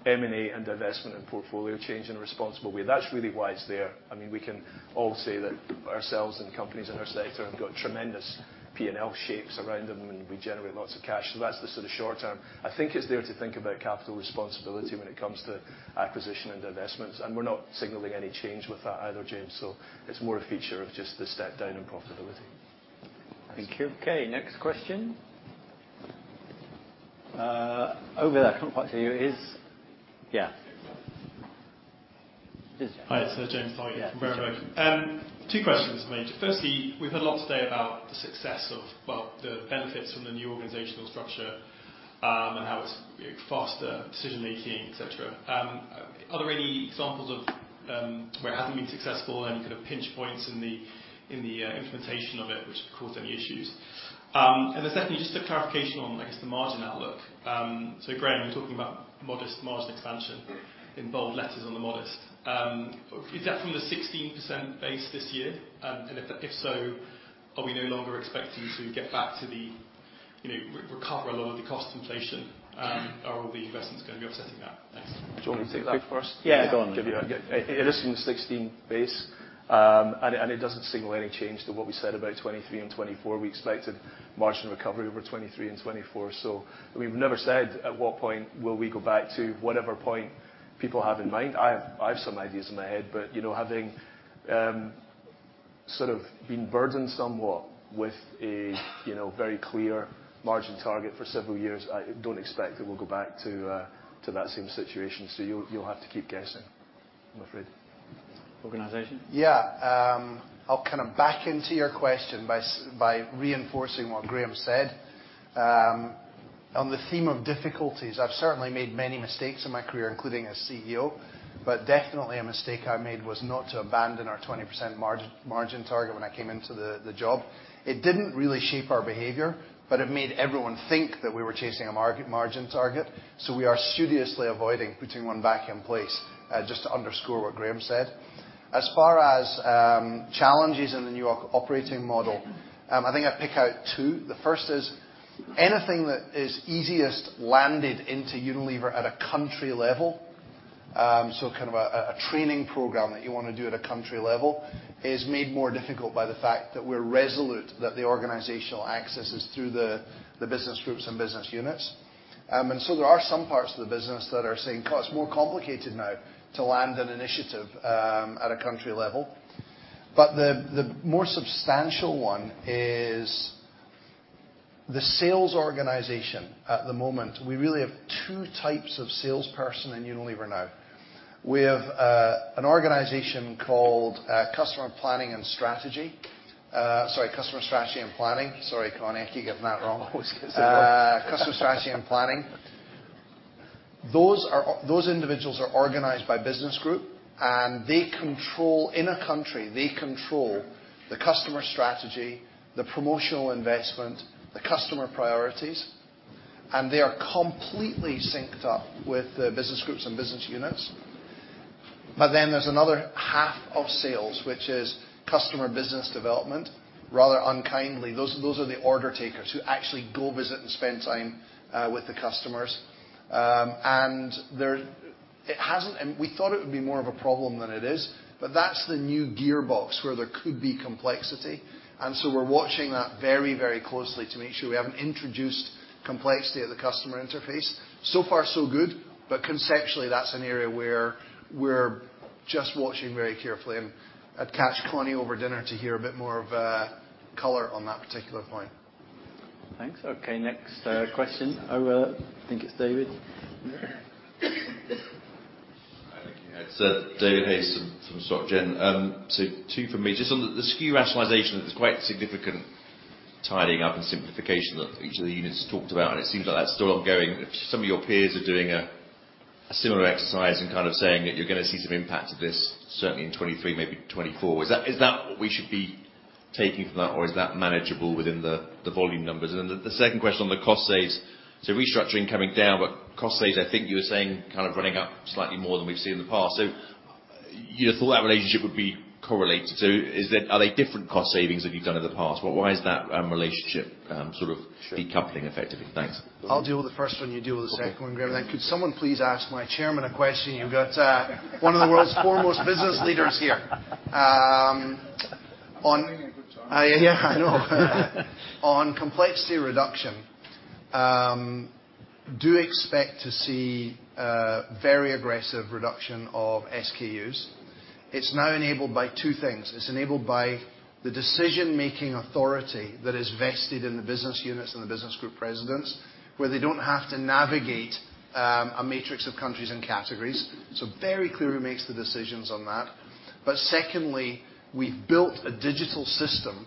M&A and divestment and portfolio change in a responsible way. That's really why it's there. I mean, we can all say that ourselves and companies in our sector have got tremendous P&L shapes around them, and we generate lots of cash. That's the sort of short term. I think it's there to think about capital responsibility when it comes to acquisition and divestments, and we're not signaling any change with that either, James. It's more a feature of just the step down in profitability. Thank you. Okay, next question. Over there. I can't quite see you. Yeah. Hi. It's James Targett here from Berenberg. Yeah. Two questions for me. Firstly, we've heard a lot today about the success of, well, the benefits from the new organizational structure, and how it's faster decision-making, et cetera. Are there any examples of where it hasn't been successful? Any kind of pinch points in the implementation of it which have caused any issues? Secondly, just a clarification on, I guess, the margin outlook. Graeme, you're talking about modest margin expansion in bold letters on the modest. Is that from the 16% base this year? If so, are we no longer expecting to get back to the, you know, re-recover a lot of the cost inflation, or are all the investments gonna be offsetting that? Thanks. Do you want me to take that first? Yeah. Go on. It is from the 16 base. It doesn't signal any change to what we said about 2023 and 2024. We expected margin recovery over 2023 and 2024. I mean, we've never said at what point will we go back to whatever point people have in mind. I have some ideas in my head, but, you know, having, sort of been burdened somewhat with a, you know, very clear margin target for several years, I don't expect that we'll go back to that same situation. You'll have to keep guessing, I'm afraid. Organization? I'll kind of back into your question by reinforcing what Graeme said. On the theme of difficulties, I've certainly made many mistakes in my career, including as CEO, but definitely a mistake I made was not to abandon our 20% margin target when I came into the job. It didn't really shape our behavior, but it made everyone think that we were chasing a margin target, so we are studiously avoiding putting one back in place just to underscore what Graeme said. As far as challenges in the new operating model, I think I pick out two. The first is anything that is easiest landed into Unilever at a country level, so kind of a training program that you wanna do at a country level, is made more difficult by the fact that we're resolute that the organizational access is through the business groups and business units. There are some parts of the business that are saying, "Well, it's more complicated now to land an initiative at a country level." The more substantial one is the sales organization at the moment, we really have two types of salesperson in Unilever now. We have an organization called Customer Planning & Strategy. Sorry, Customer Strategy & Planning. Sorry, Conny, I keep getting that wrong. Always gets it wrong. Customer Strategy & Planning. Those individuals are organized by business group. In a country, they control the customer strategy, the promotional investment, the customer priorities, and they are completely synced up with the business groups and business units. There's another half of sales, which is Customer Business Development. Rather unkindly, those are the order takers who actually go visit and spend time with the customers. We thought it would be more of a problem than it is, but that's the new gearbox where there could be complexity. We're watching that very, very closely to make sure we haven't introduced complexity at the customer interface. Far so good, but conceptually that's an area where we're just watching very carefully and I'd catch Conny over dinner to hear a bit more of a color on that particular point. Thanks. Okay, next, question. Over, I think it's David. Hi. It's David Hayes from SocGen. Two from me. Just on the SKU rationalization, it's quite significant tidying up and simplification that each of the units talked about, and it seems like that's still ongoing. Some of your peers are doing a similar exercise and kind of saying that you're gonna see some impact of this certainly in 2023, maybe 2024. Is that what we should be taking from that, or is that manageable within the volume numbers? The second question on the cost saves. Restructuring coming down, but cost saves, I think you were saying, kind of running up slightly more than we've seen in the past. You'd have thought that relationship would be correlated. Are they different cost savings than you've done in the past? Why is that relationship sort of decoupling effectively? Thanks. I'll deal with the first one, you deal with the second one, Graeme. Okay. Could someone please ask my chairman a question? You've got one of the world's foremost business leaders here. I'm doing a good job. Yeah, I know. On complexity reduction, do expect to see a very aggressive reduction of SKUs. It's now enabled by two things. It's enabled by the decision-making authority that is vested in the business units and the Business Group Presidents, where they don't have to navigate a matrix of countries and categories. Very clear who makes the decisions on that. Secondly, we've built a digital system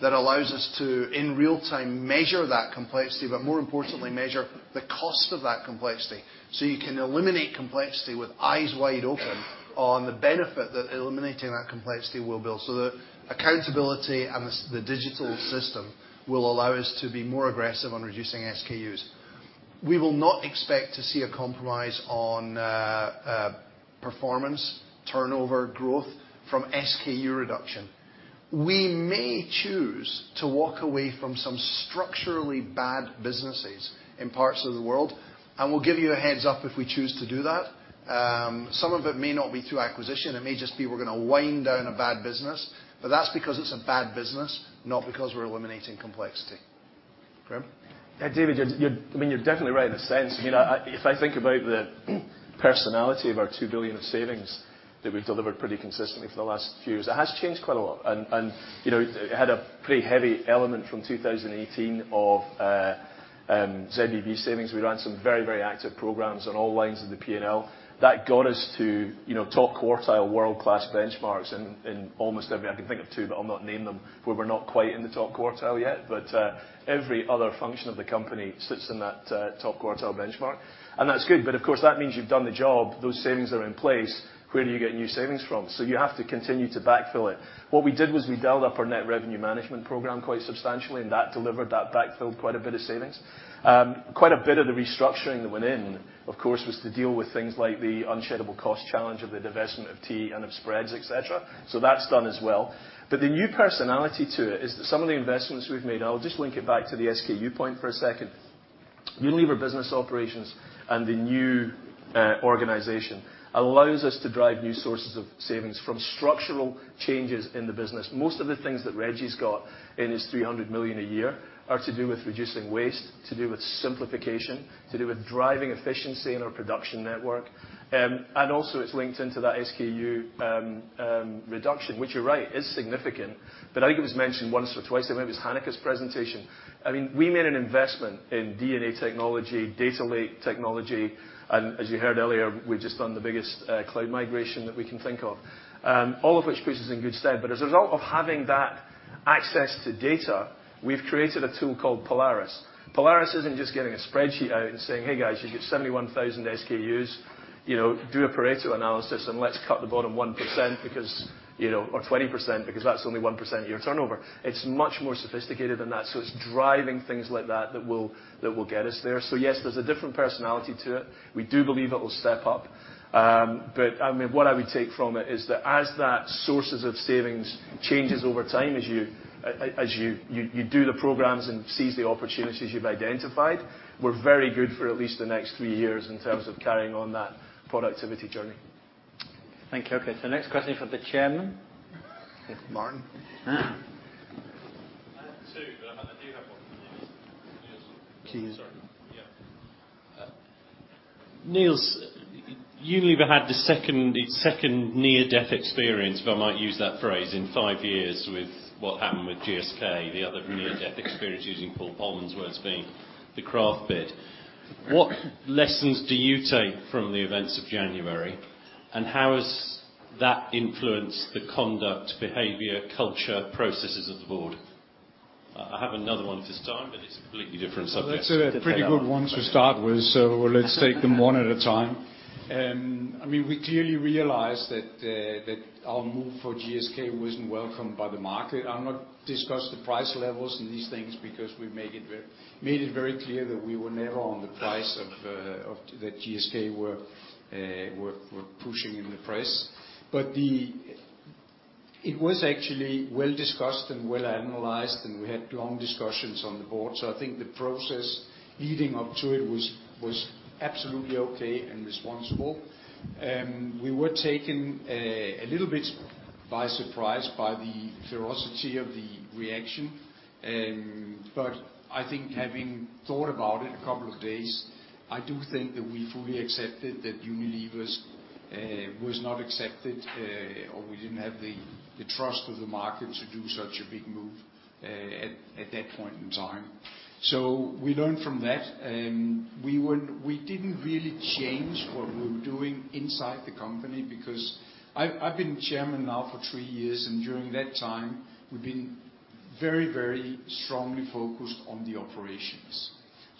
that allows us to, in real-time, measure that complexity, but more importantly, measure the cost of that complexity. You can eliminate complexity with eyes wide open on the benefit that eliminating that complexity will build. The accountability and the digital system will allow us to be more aggressive on reducing SKUs. We will not expect to see a compromise on performance, turnover growth from SKU reduction. We may choose to walk away from some structurally bad businesses in parts of the world, and we'll give you a heads-up if we choose to do that. Some of it may not be through acquisition, it may just be we're gonna wind down a bad business. That's because it's a bad business, not because we're eliminating complexity. Graeme? Yeah. David, you're definitely right in a sense. If I think about the personality of our 2 billion of savings that we've delivered pretty consistently for the last few years, it has changed quite a lot. You know, it had a pretty heavy element from 2018 of ZBB savings. We ran some very, very active programs on all lines of the P&L. That got us to, you know, top quartile world-class benchmarks in almost every. I can think of two, but I'll not name them, where we're not quite in the top quartile yet. Every other function of the company sits in that top quartile benchmark, and that's good. Of course, that means you've done the job, those savings are in place. Where do you get new savings from? You have to continue to backfill it. What we did was we built up our Net Revenue Management program quite substantially, and that delivered, that backfilled quite a bit of savings. Quite a bit of the restructuring that went in, of course, was to deal with things like the unsheddable cost challenge of the divestment of Tea and of Spreads, et cetera. That's done as well. The new personality to it is that some of the investments we've made, I'll just link it back to the SKU point for a second. Unilever Business Operations and the new organization allows us to drive new sources of savings from structural changes in the business. Most of the things that Reggie's got in his 300 million a year are to do with reducing waste, to do with simplification, to do with driving efficiency in our production network. Also it's linked into that SKU reduction, which you're right, is significant. I think it was mentioned once or twice, it maybe was Hanneke's presentation. I mean, we made an investment in D&A technology, data lake technology, and as you heard earlier, we've just done the biggest cloud migration that we can think of. All of which puts us in good stead. As a result of having that access to data, we've created a tool called Polaris. Polaris isn't just getting a spreadsheet out and saying, "Hey guys, you've got 71,000 SKUs. You know, do a Pareto analysis and let's cut the bottom 1% because, you know, or 20% because that's only 1% of your turnover." It's much more sophisticated than that. It's driving things like that that will get us there. Yes, there's a different personality to it. We do believe it will step up. I mean, what I would take from it is that as that sources of savings changes over time, as you do the programs and seize the opportunities you've identified, we're very good for at least the next three years in terms of carrying on that productivity journey. Thank you. Okay, next question for the Chairman. Martin. I have two, but, and I do have one for Nils. Please. Sorry. Yeah. Nils, Unilever had its second near-death experience, if I might use that phrase, in five years with what happened with GSK. The other near-death experience using Paul Polman's words being the Kraft bid. What lessons do you take from the events of January, how has that influenced the conduct, behavior, culture, processes of the board? I have another one to start, it's a completely different subject. Well, that's pretty good ones to start with, let's take them one at a time. I mean, we clearly realized that our move for GSK wasn't welcomed by the market. I'll not discuss the price levels in these things because we made it very clear that we were never on the price of that GSK were pushing in the price. It was actually well discussed and well analyzed, and we had long discussions on the board. I think the process leading up to it was absolutely okay and responsible. We were taken a little bit by surprise by the ferocity of the reaction. I think having thought about it a couple of days, I do think that we fully accepted that Unilever's was not accepted, or we didn't have the trust of the market to do such a big move at that point in time. We learned from that. We didn't really change what we were doing inside the company because I've been chairman now for three years, and during that time we've been very strongly focused on the operations.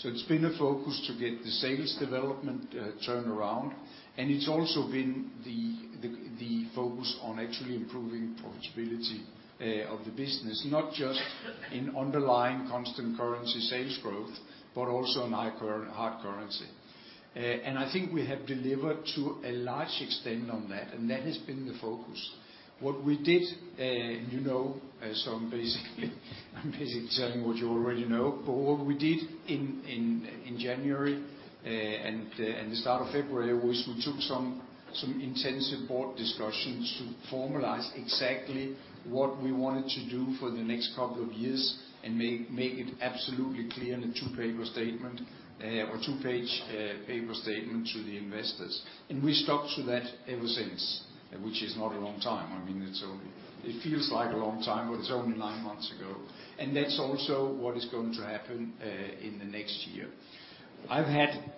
It's been a focus to get the sales development turnaround, and it's also been the focus on actually improving profitability of the business, not just in underlying constant currency sales growth, but also in hard currency. I think we have delivered to a large extent on that, and that has been the focus. What we did, you know, I'm basically telling what you already know. What we did in January, and the start of February was we took some intensive board discussions to formalize exactly what we wanted to do for the next couple of years and make it absolutely clear in a two paper statement, or two page, paper statement to the investors. We've stuck to that ever since, which is not a long time. I mean, it's only It feels like a long time, but it's only nine months ago. That's also what is going to happen in the next year. I've had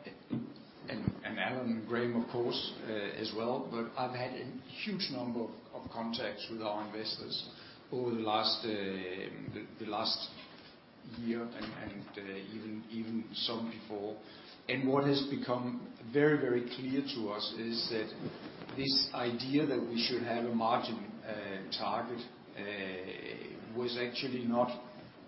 Alan and Graeme, of course, as well. I've had a huge number of contacts with our investors over the last year and even some before. What has become very clear to us is that this idea that we should have a margin target was actually not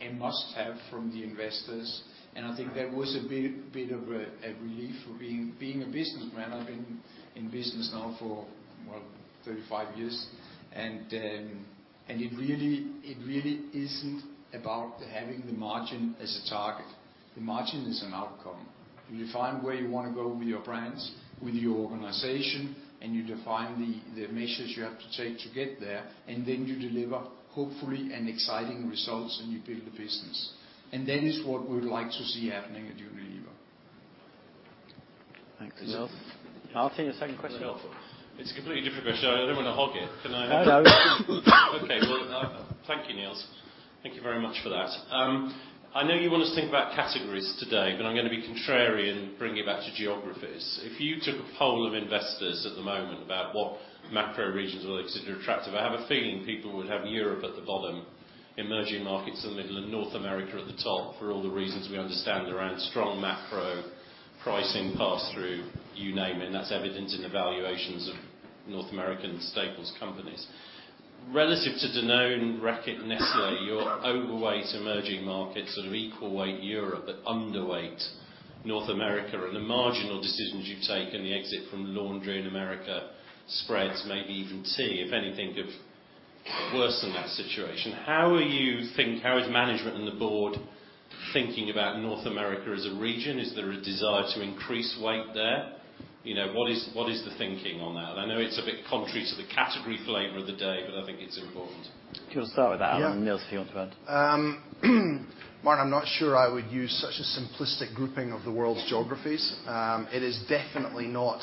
a must-have from the investors. I think that was a bit of a relief for being a businessman. I've been in business now for, well, 35 years. it really isn't about having the margin as a target. The margin is an outcome. You find where you wanna go with your brands, with your organization, and you define the measures you have to take to get there, and then you deliver, hopefully, an exciting results, and you build the business. That is what we would like to see happening at Unilever. Thanks, Nils. Martin, your second question. It's a completely different question. I don't wanna hog it. Can I? No. Well, thank you, Nils. Thank you very much for that. I know you want us to think about categories today, but I'm gonna be contrary and bring it back to geographies. If you took a poll of investors at the moment about what macro regions will they consider attractive, I have a feeling people would have Europe at the bottom, emerging markets in the middle, and North America at the top for all the reasons we understand around strong macro pricing pass-through, you name it, and that's evident in evaluations of North American staples companies. Relative to Danone, Reckitt, Nestlé, you're overweight emerging markets, sort of equal weight Europe, but underweight North America. The marginal decisions you've taken, the exit from laundry in America, spreads, maybe even tea, if anything of worse than that situation. How is management and the board thinking about North America as a region? Is there a desire to increase weight there? You know, what is the thinking on that? I know it's a bit contrary to the category flavor of the day, but I think it's important. Do you wanna start with that one? Yeah. Nils, if you want to add. Martin, I'm not sure I would use such a simplistic grouping of the world's geographies. It is definitely not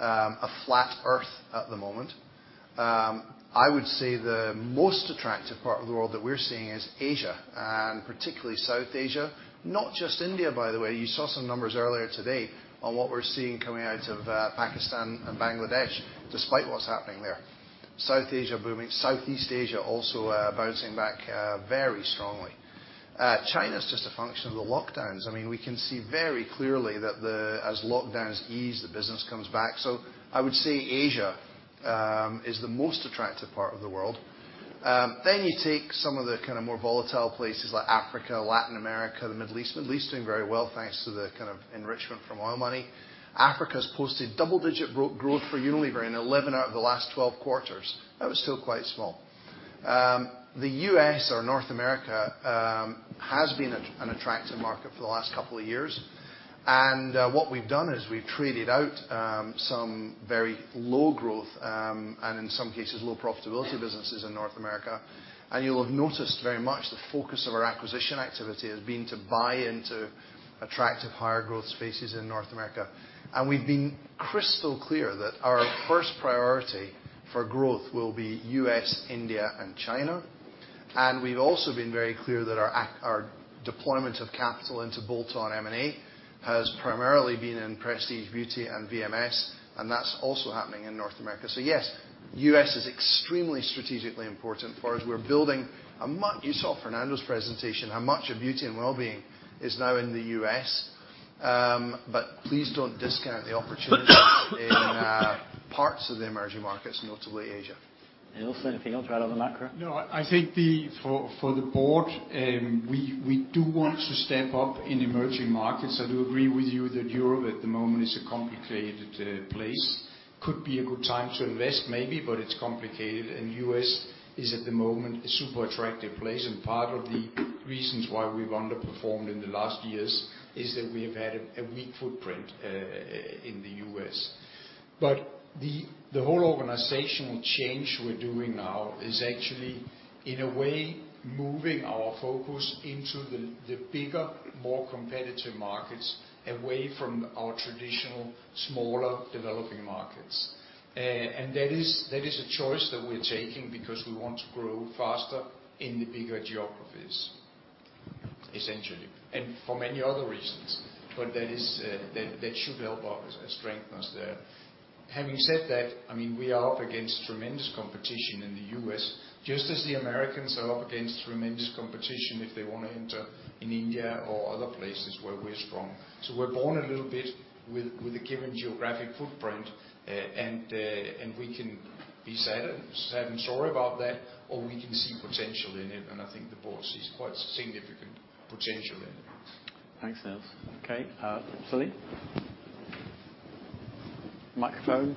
a flat earth at the moment. I would say the most attractive part of the world that we're seeing is Asia, and particularly South Asia, not just India, by the way. You saw some numbers earlier today on what we're seeing coming out of Pakistan and Bangladesh, despite what's happening there. South Asia booming. Southeast Asia also bouncing back very strongly. China's just a function of the lockdowns. I mean, we can see very clearly that as lockdowns ease, the business comes back. I would say Asia is the most attractive part of the world. You take some of the kinda more volatile places like Africa, Latin America, the Middle East. Middle East is doing very well, thanks to the kind of enrichment from oil money. Africa has posted double-digit growth for Unilever in 11 out of the last 12 quarters. That was still quite small. The U.S. or North America has been an attractive market for the last couple of years. What we've done is we've traded out some very low growth, and in some cases, low profitability businesses in North America. You'll have noticed very much the focus of our acquisition activity has been to buy into attractive higher growth spaces in North America. We've been crystal clear that our first priority for growth will be U.S., India, and China. We've also been very clear that our deployment of capital into bolt-on M&A has primarily been in Prestige Beauty and VMS, and that's also happening in North America. Yes, U.S. is extremely strategically important for us. You saw Fernando's presentation, how much of Beauty and Wellbeing is now in the U.S. Please don't discount the opportunity in parts of the emerging markets, notably Asia. Nils, anything you want to add on the macro? I think for the board, we do want to step up in emerging markets. I do agree with you that Europe at the moment is a complicated place. Could be a good time to invest, maybe, but it's complicated. U.S. is, at the moment, a super attractive place, and part of the reasons why we've underperformed in the last years is that we've had a weak footprint in the U.S. The whole organizational change we're doing now is actually, in a way, moving our focus into the bigger, more competitive markets, away from our traditional, smaller developing markets. That is a choice that we're taking because we want to grow faster in the bigger geographies, essentially, and for many other reasons. That is, that should help us strengthen us there. Having said that, I mean, we are up against tremendous competition in the U.S., just as the Americans are up against tremendous competition if they wanna enter in India or other places where we're strong. We're born a little bit with a given geographic footprint. We can be sad and sorry about that, or we can see potential in it, and I think the board sees quite significant potential in it. Thanks, Nils. Okay, Celine. Microphone.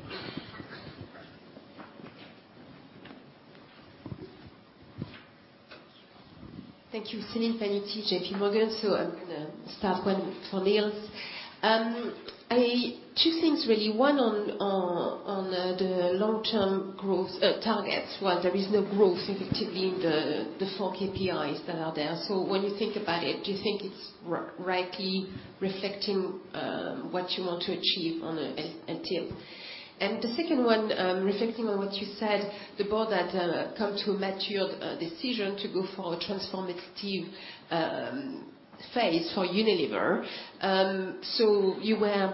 Thank you. Celine Pannuti, J.P. Morgan. I'm gonna start one for Nils. Two things really. One on the long-term growth targets. While there is no growth effectively in the four KPIs that are there. When you think about it, do you think it's rightly reflecting what you want to achieve on a tip? The second one, reflecting on what you said, the board had come to a matured decision to go for a transformative strategy phase for Unilever. You were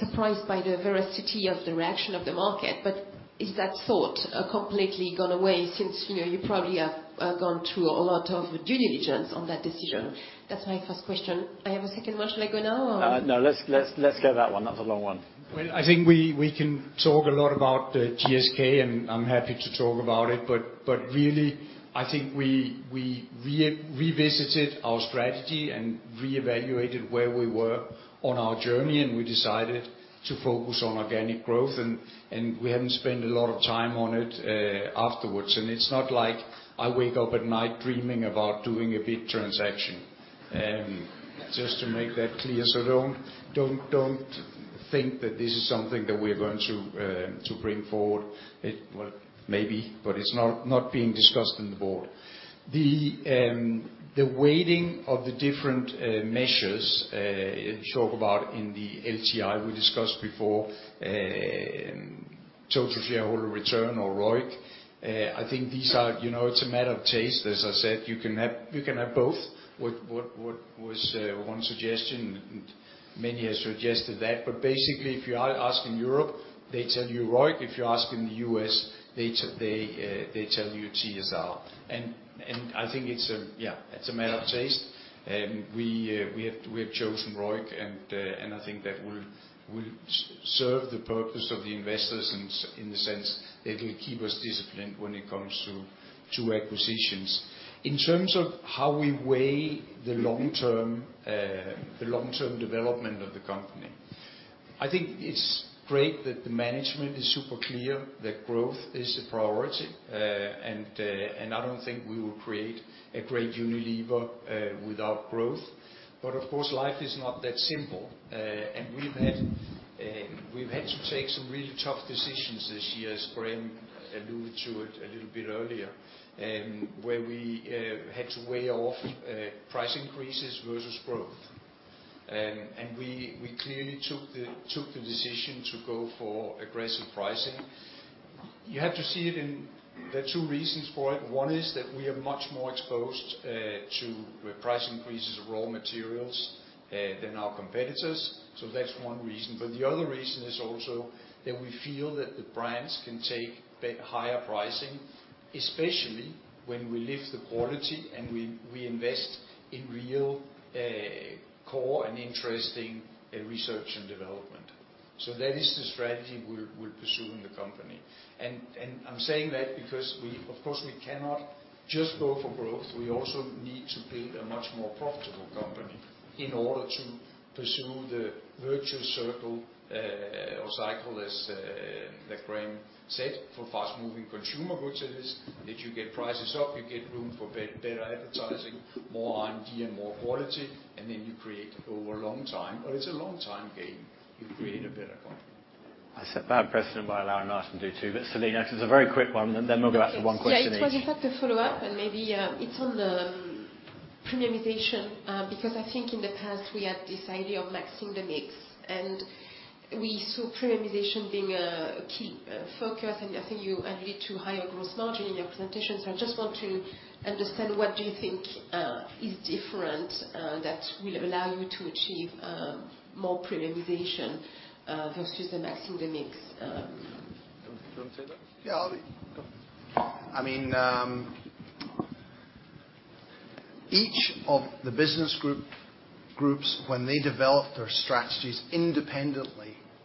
surprised by the veracity of the reaction of the market, but is that thought completely gone away since, you know, you probably have gone through a lot of due diligence on that decision? That's my first question. I have a second one, shall I go now or? No. Let's go that one. That's a long one. Well, I think we can talk a lot about GSK, I'm happy to talk about it. Really, I think we revisited our strategy and re-evaluated where we were on our journey, we decided to focus on organic growth. We haven't spent a lot of time on it afterwards. It's not like I wake up at night dreaming about doing a big transaction. Just to make that clear. Don't think that this is something that we're going to bring forward. Well, maybe, it's not being discussed in the board. The weighting of the different measures you talk about in the LTI, we discussed before, total shareholder return or ROIC, I think these are, you know, it's a matter of taste. As I said, you can have, you can have both. What was one suggestion, and many have suggested that, but basically if you ask in Europe, they tell you ROIC. If you ask in the U.S., They tell you TSR. I think it's a matter of taste. We have chosen ROIC and I think that will serve the purpose of the investors in the sense that it will keep us disciplined when it comes to acquisitions. In terms of how we weigh the long term, the long-term development of the company, I think it's great that the management is super clear that growth is a priority. I don't think we will create a great Unilever without growth. Of course, life is not that simple. We've had to take some really tough decisions this year, as Graeme alluded to it a little bit earlier, where we had to weigh off price increases versus growth. We clearly took the decision to go for aggressive pricing. You have to see it in the two reasons for it. One is that we are much more exposed to price increases of raw materials than our competitors. That's one reason, but the other reason is also that we feel that the brands can take higher pricing, especially when we lift the quality and we invest in real core and interesting research and development. That is the strategy we're pursuing the company. I'm saying that because we... Of course, we cannot just go for growth. We also need to build a much more profitable company in order to pursue the virtuous circle or cycle as like Graeme said, for fast-moving consumer goods. It is that you get prices up, you get room for better advertising, more R&D and more quality, and then you create over a long time, but it's a long time game. You create a better company. I set a bad precedent by allowing Alan do two, but Celine, it's a very quick one, and then we'll go back to one question each. Yeah, it was in fact a follow-up, and maybe it's on the premiumization. In the past we had this idea of maxing the mix, and we saw premiumization being a key focus, and you allude to higher gross margin in your presentation. I just want to understand what do you think is different that will allow you to achieve more premiumization versus the maxing the mix? Do you want to take that? Yeah, I mean, each of the business groups when they developed their strategies independently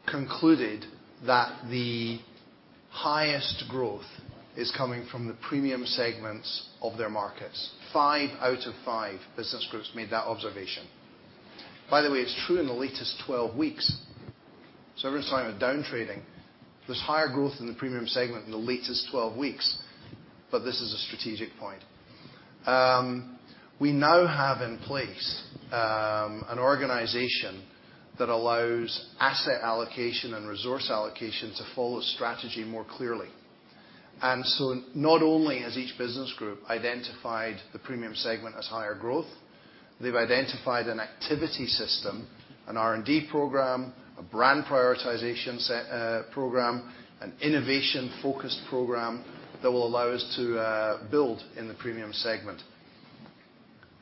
concluded that the highest growth is coming from the premium segments of their markets. Five out of five business groups made that observation. By the way, it's true in the latest 12 weeks. Every time we're downtrading, there's higher growth in the premium segment in the latest 12 weeks, but this is a strategic point. We now have in place an organization that allows asset allocation and resource allocation to follow strategy more clearly. Not only has each business group identified the premium segment as higher growth, they've identified an activity system, an R&D program, a brand prioritization program, an innovation-focused program that will allow us to build in the premium segment.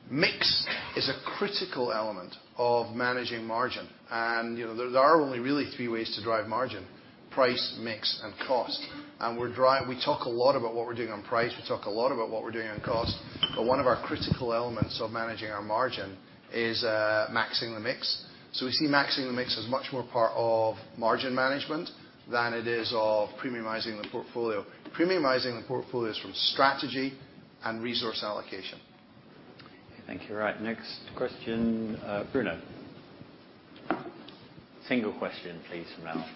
Mix is a critical element of managing margin. You know, there are only really three ways to drive margin: price, mix, and cost. We talk a lot about what we're doing on price, we talk a lot about what we're doing on cost, but one of our critical elements of managing our margin is maxing the mix. We see maxing the mix as much more part of margin management than it is of premiumizing the portfolio. Premiumizing the portfolio is from strategy and resource allocation. Thank you. Right. Next question, Bruno. Single question please from now.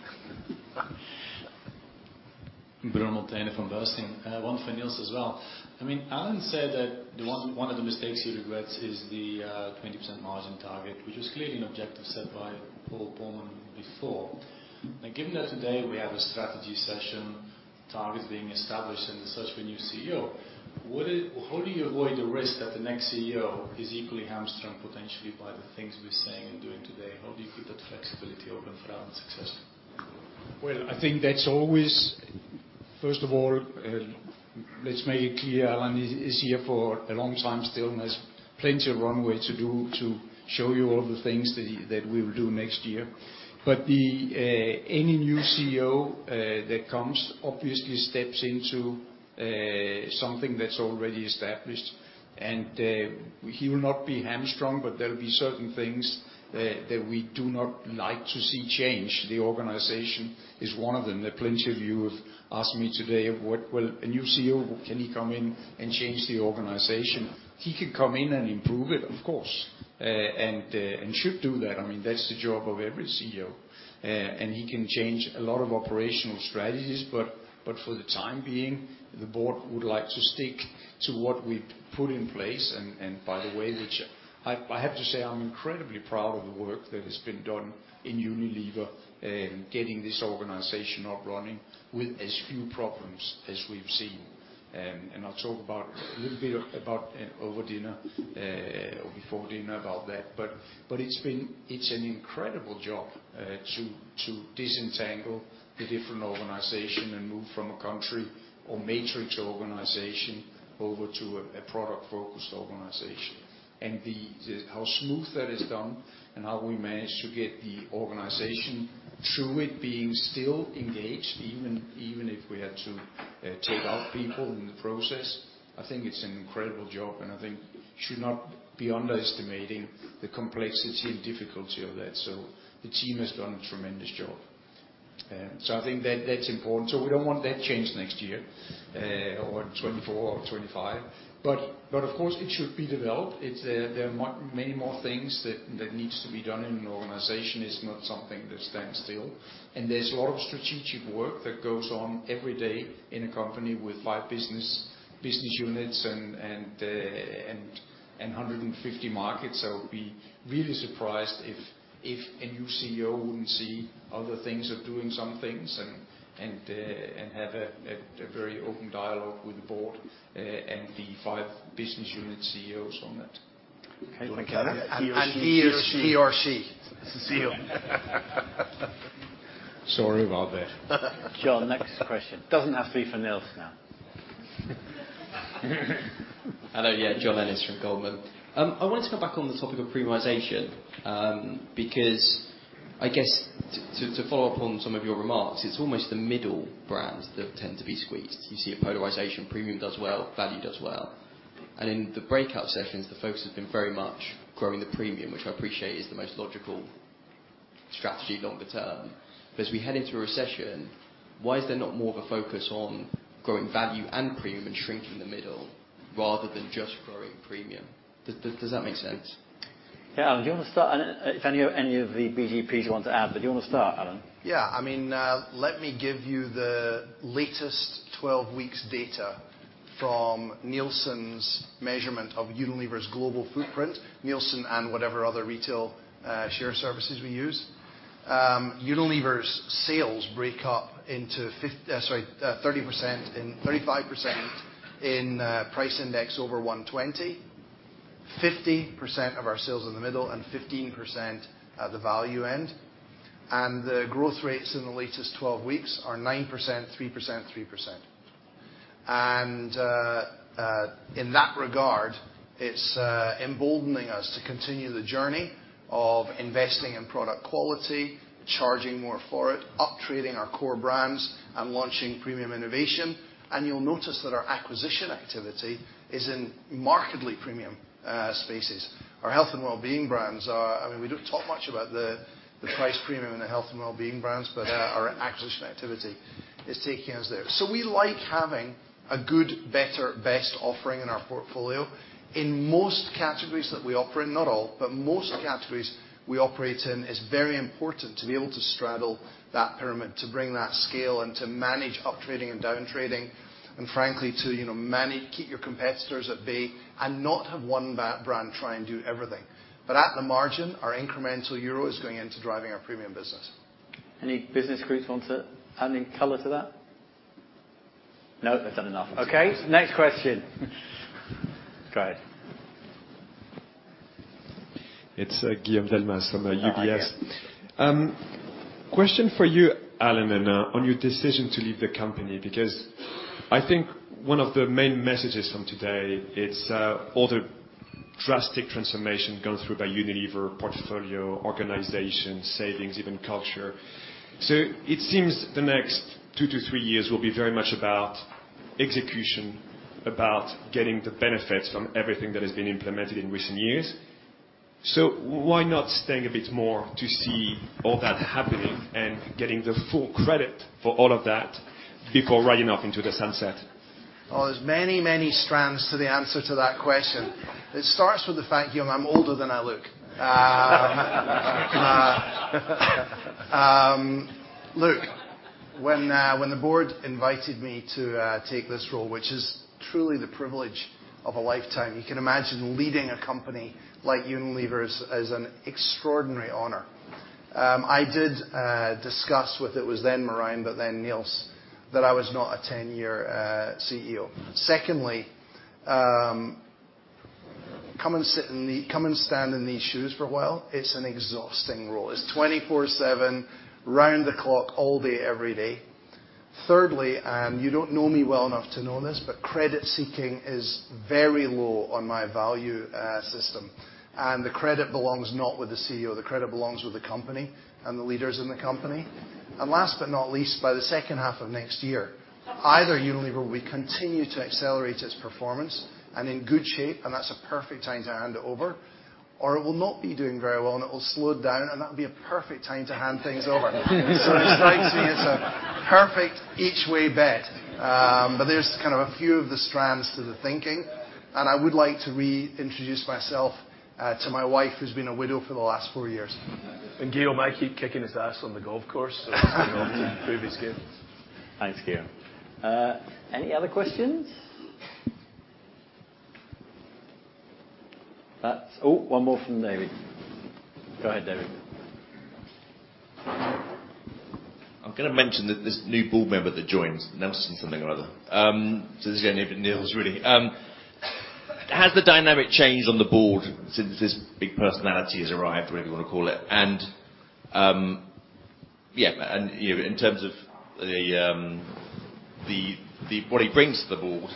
Bruno Monteyne from Bernstein. One for Nils as well. I mean, Alan said that one of the mistakes he regrets is the 20% margin target, which was clearly an objective set by Paul Polman before. Now, given that today we have a strategy session, targets being established and the search for a new CEO, how do you avoid the risk that the next CEO is equally hamstrung potentially by the things we're saying and doing today? How do you keep that flexibility open for our own success? First of all, let's make it clear, Alan is here for a long time still. There's plenty of runway to do to show you all the things that we will do next year. The any new CEO that comes obviously steps into something that's already established, and he will not be hamstrung, but there'll be certain things that we do not like to see change. The organization is one of them. There are plenty of you have asked me today what will a new CEO, can he come in and change the organization? He could come in and improve it, of course. And should do that. I mean, that's the job of every CEO. He can change a lot of operational strategies, but for the time being, the board would like to stick to what we've put in place. By the way, which I have to say, I'm incredibly proud of the work that has been done in Unilever in getting this organization up running with as few problems as we've seen. I'll talk about a little bit about over dinner, or before dinner about that. It's an incredible job to disentangle the different organization and move from a country or matrix organization over to a product-focused organization. The how smooth that is done and how we managed to get the organization through it being still engaged, even if we had to take out people in the process, I think it's an incredible job, and I think should not be underestimating the complexity and difficulty of that. The team has done a tremendous job. I think that's important. We don't want that change next year, or 2024 or 2025. But of course, it should be developed. It's there are many more things that needs to be done in an organization. It's not something that stands still. There's a lot of strategic work that goes on every day in a company with five business units and 150 markets. I would be really surprised if a new CEO wouldn't see other things of doing some things and have a very open dialogue with the board and the five business unit CEOs on it. Okay. Do you wanna comment? Sorry about that. John, next question. Doesn't have to be for Nils now. Hello. Yeah, John Ennis from Goldman. I wanted to come back on the topic of premiumization, because I guess to follow up on some of your remarks, it's almost the middle brands that tend to be squeezed. You see a polarization. Premium does well, value does well. In the breakout sessions, the focus has been very much growing the premium, which I appreciate is the most logical strategy longer term. As we head into a recession, why is there not more of a focus on growing value and premium and shrinking the middle rather than just growing premium? Does that make sense? Yeah. Alan, do you wanna start? If any of the BGPs want to add. Do you wanna start, Alan? Yeah, I mean, let me give you the latest 12 weeks data from Nielsen's measurement of Unilever's global footprint, Nielsen and whatever other retail share services we use. Unilever's sales break up into 30% in, 35% in price index over 120, 50% of our sales in the middle, and 15% at the value end. The growth rates in the latest 12 weeks are 9%, 3%, 3%. In that regard, it's emboldening us to continue the journey of investing in product quality, charging more for it, up-trading our core brands, and launching premium innovation. You'll notice that our acquisition activity is in markedly premium spaces. I mean, we don't talk much about the price premium in the Health and wellbeing brands, our acquisition activity is taking us there. We like having a good, better, best offering in our portfolio. In most categories that we offer in, not all, but most categories we operate in, it's very important to be able to straddle that pyramid, to bring that scale, and to manage up-trading and down-trading, and frankly, to, you know, keep your competitors at bay and not have one brand try and do everything. At the margin, our incremental euro is going into driving our premium business. Any business groups want to add any color to that? No, they've said enough. Okay, next question. Go ahead. It's, Guillaume Delmas from, UBS. Hi, Guillaume. Question for you, Alan, on your decision to leave the company. I think one of the main messages from today, it's all the drastic transformation gone through by Unilever portfolio, organization, savings, even culture. It seems the next two to three years will be very much about execution, about getting the benefits from everything that has been implemented in recent years. Why not staying a bit more to see all that happening and getting the full credit for all of that before riding off into the sunset? Oh, there's many, many strands to the answer to that question. It starts with the fact, Guillaume, I'm older than I look. look, when the board invited me to take this role, which is truly the privilege of a lifetime, you can imagine leading a company like Unilever is an extraordinary honor. I did discuss with it was then Marijn, but then Nils, that I was not a 10-year CEO. Secondly, come and stand in these shoes for a while. It's an exhausting role. It's 24/7, round the clock, all day, every day. Thirdly, you don't know me well enough to know this, but credit-seeking is very low on my value system. The credit belongs not with the CEO, the credit belongs with the company and the leaders in the company. Last but not least, by the second half of next year, either Unilever will continue to accelerate its performance and in good shape, and that's a perfect time to hand it over, or it will not be doing very well, and it will slow down, and that'll be a perfect time to hand things over. [So, despite seing, it is], a perfect each way bet. But there's kind of a few of the strands to the thinking, and I would like to reintroduce myself to my wife, who's been a widow for the last four years. Guille, might keep kicking his ass on the golf course. He'll have to improve his game. Thanks, Guille. Any other questions? Oh, one more from David. Go ahead, David. I'm gonna mention that this new board member that joins, Nelson something or other. This is gonna be for Nils, really. Has the dynamic changed on the board since this big personality has arrived, whatever you wanna call it? Yeah, you know, in terms of the, what he brings to the board,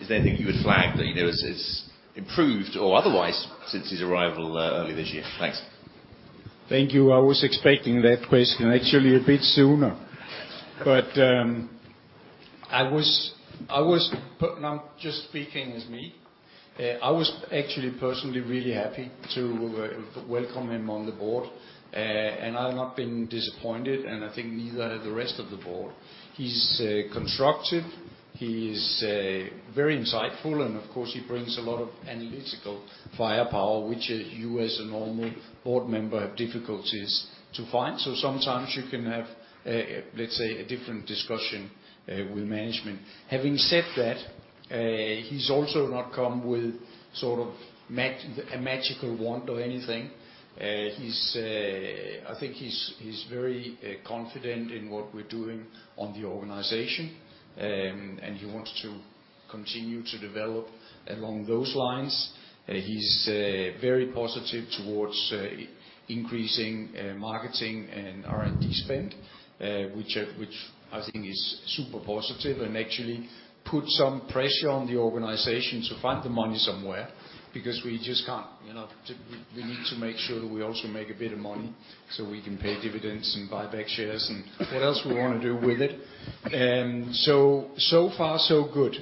is there anything you would flag that, you know, has improved or otherwise since his arrival earlier this year? Thanks. Thank you. I was expecting that question actually a bit sooner. I was... Now I'm just speaking as me. I was actually personally really happy to welcome him on the board. I have not been disappointed, and I think neither have the rest of the board. He's constructive, he is very insightful, and of course, he brings a lot of analytical firepower, which you as a normal board member have difficulties to find. Sometimes you can have a, let's say, a different discussion with management. Having said that, he's also not come with sort of a magical wand or anything. I think he's very confident in what we're doing on the organization, and he wants to continue to develop along those lines. He's very positive towards increasing marketing and R&D spend, which I think is super positive and actually put some pressure on the organization to find the money somewhere because we just can't, you know. We need to make sure that we also make a bit of money so we can pay dividends and buy back shares and what else we wanna do with it. So far so good.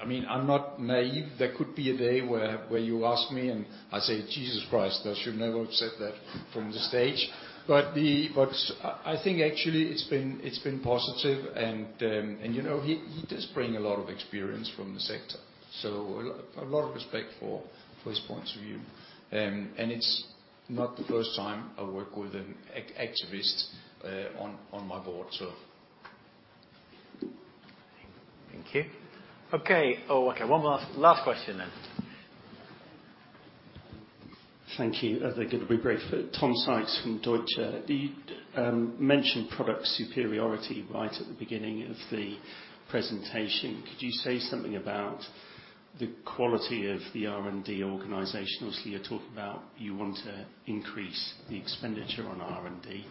I mean, I'm not naive. There could be a day where you ask me and I say, "Jesus Christ, I should never have said that from the stage." I think actually it's been positive and, you know, he does bring a lot of experience from the sector. A lot of respect for his points of view. It's not the first time I work with an activist on my board, so. Thank you. Okay. Okay, one last question then. Thank you. I think it'll be brief. Tom Sykes from Deutsche. You mentioned product superiority right at the beginning of the presentation. Could you say something about the quality of the R&D organization? Obviously, you're talking about you want to increase the expenditure on R&D.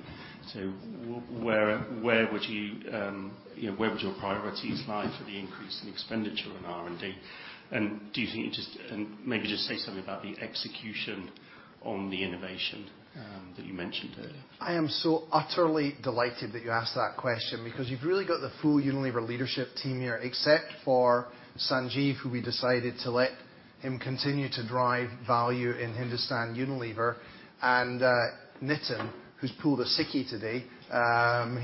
Where, where would you know, where would your priorities lie for the increase in expenditure on R&D? Do you think maybe just say something about the execution on the innovation that you mentioned earlier? I am so utterly delighted that you asked that question because you've really got the full Unilever leadership team here, except for Sanjiv, who we decided to let him continue to drive value in Hindustan Unilever, and Nitin, who's pulled a sickie today.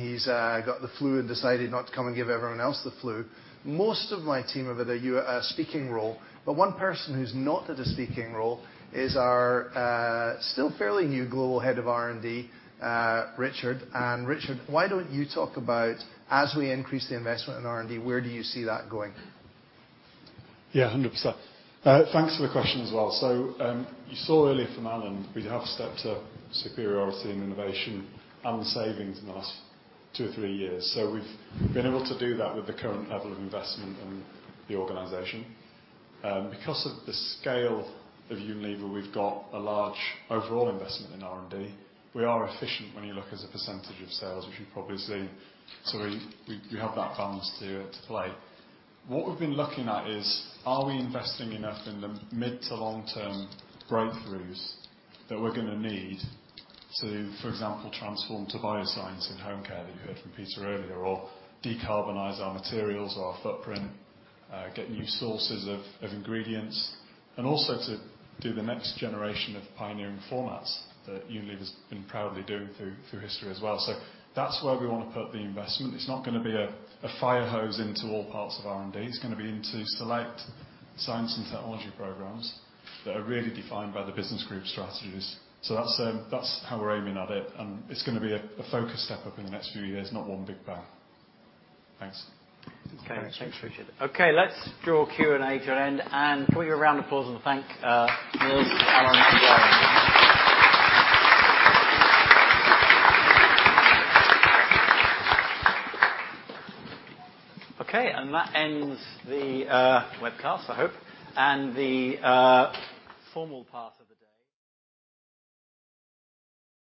He's got the flu and decided not to come and give everyone else the flu. Most of my team over the speaking role, but one person who's not at a speaking role is our still fairly new global head of R&D, Richard. Richard, why don't you talk about as we increase the investment in R&D, where do you see that going? Yeah, 100%. Thanks for the question as well. You saw earlier from Alan, we have stepped up superiority and innovation and savings in the last two, three years. We've been able to do that with the current level of investment in the organization. Because of the scale of Unilever, we've got a large overall investment in R&D. We are efficient when you look as a percentage of sales, as you probably see. We have that balance to play. What we've been looking at is, are we investing enough in the mid to long-term breakthroughs that we're gonna need to, for example, transform to bioscience in Home Care that you heard from Peter earlier, or decarbonize our materials, our footprint, get new sources of ingredients, and also to do the next generation of pioneering formats that Unilever's been proudly doing through history as well. That's where we wanna put the investment. It's not gonna be a fire hose into all parts of R&D. It's gonna be into select science and technology programs that are really defined by the business group strategies. That's how we're aiming at it, and it's gonna be a focused step up in the next few years, not one big bang. Thanks. Thanks, Richard. Let's draw Q&A to an end and give you a round of applause and thank Nils, Alan, and Guille. That ends the webcast, I hope, and the formal part of the day.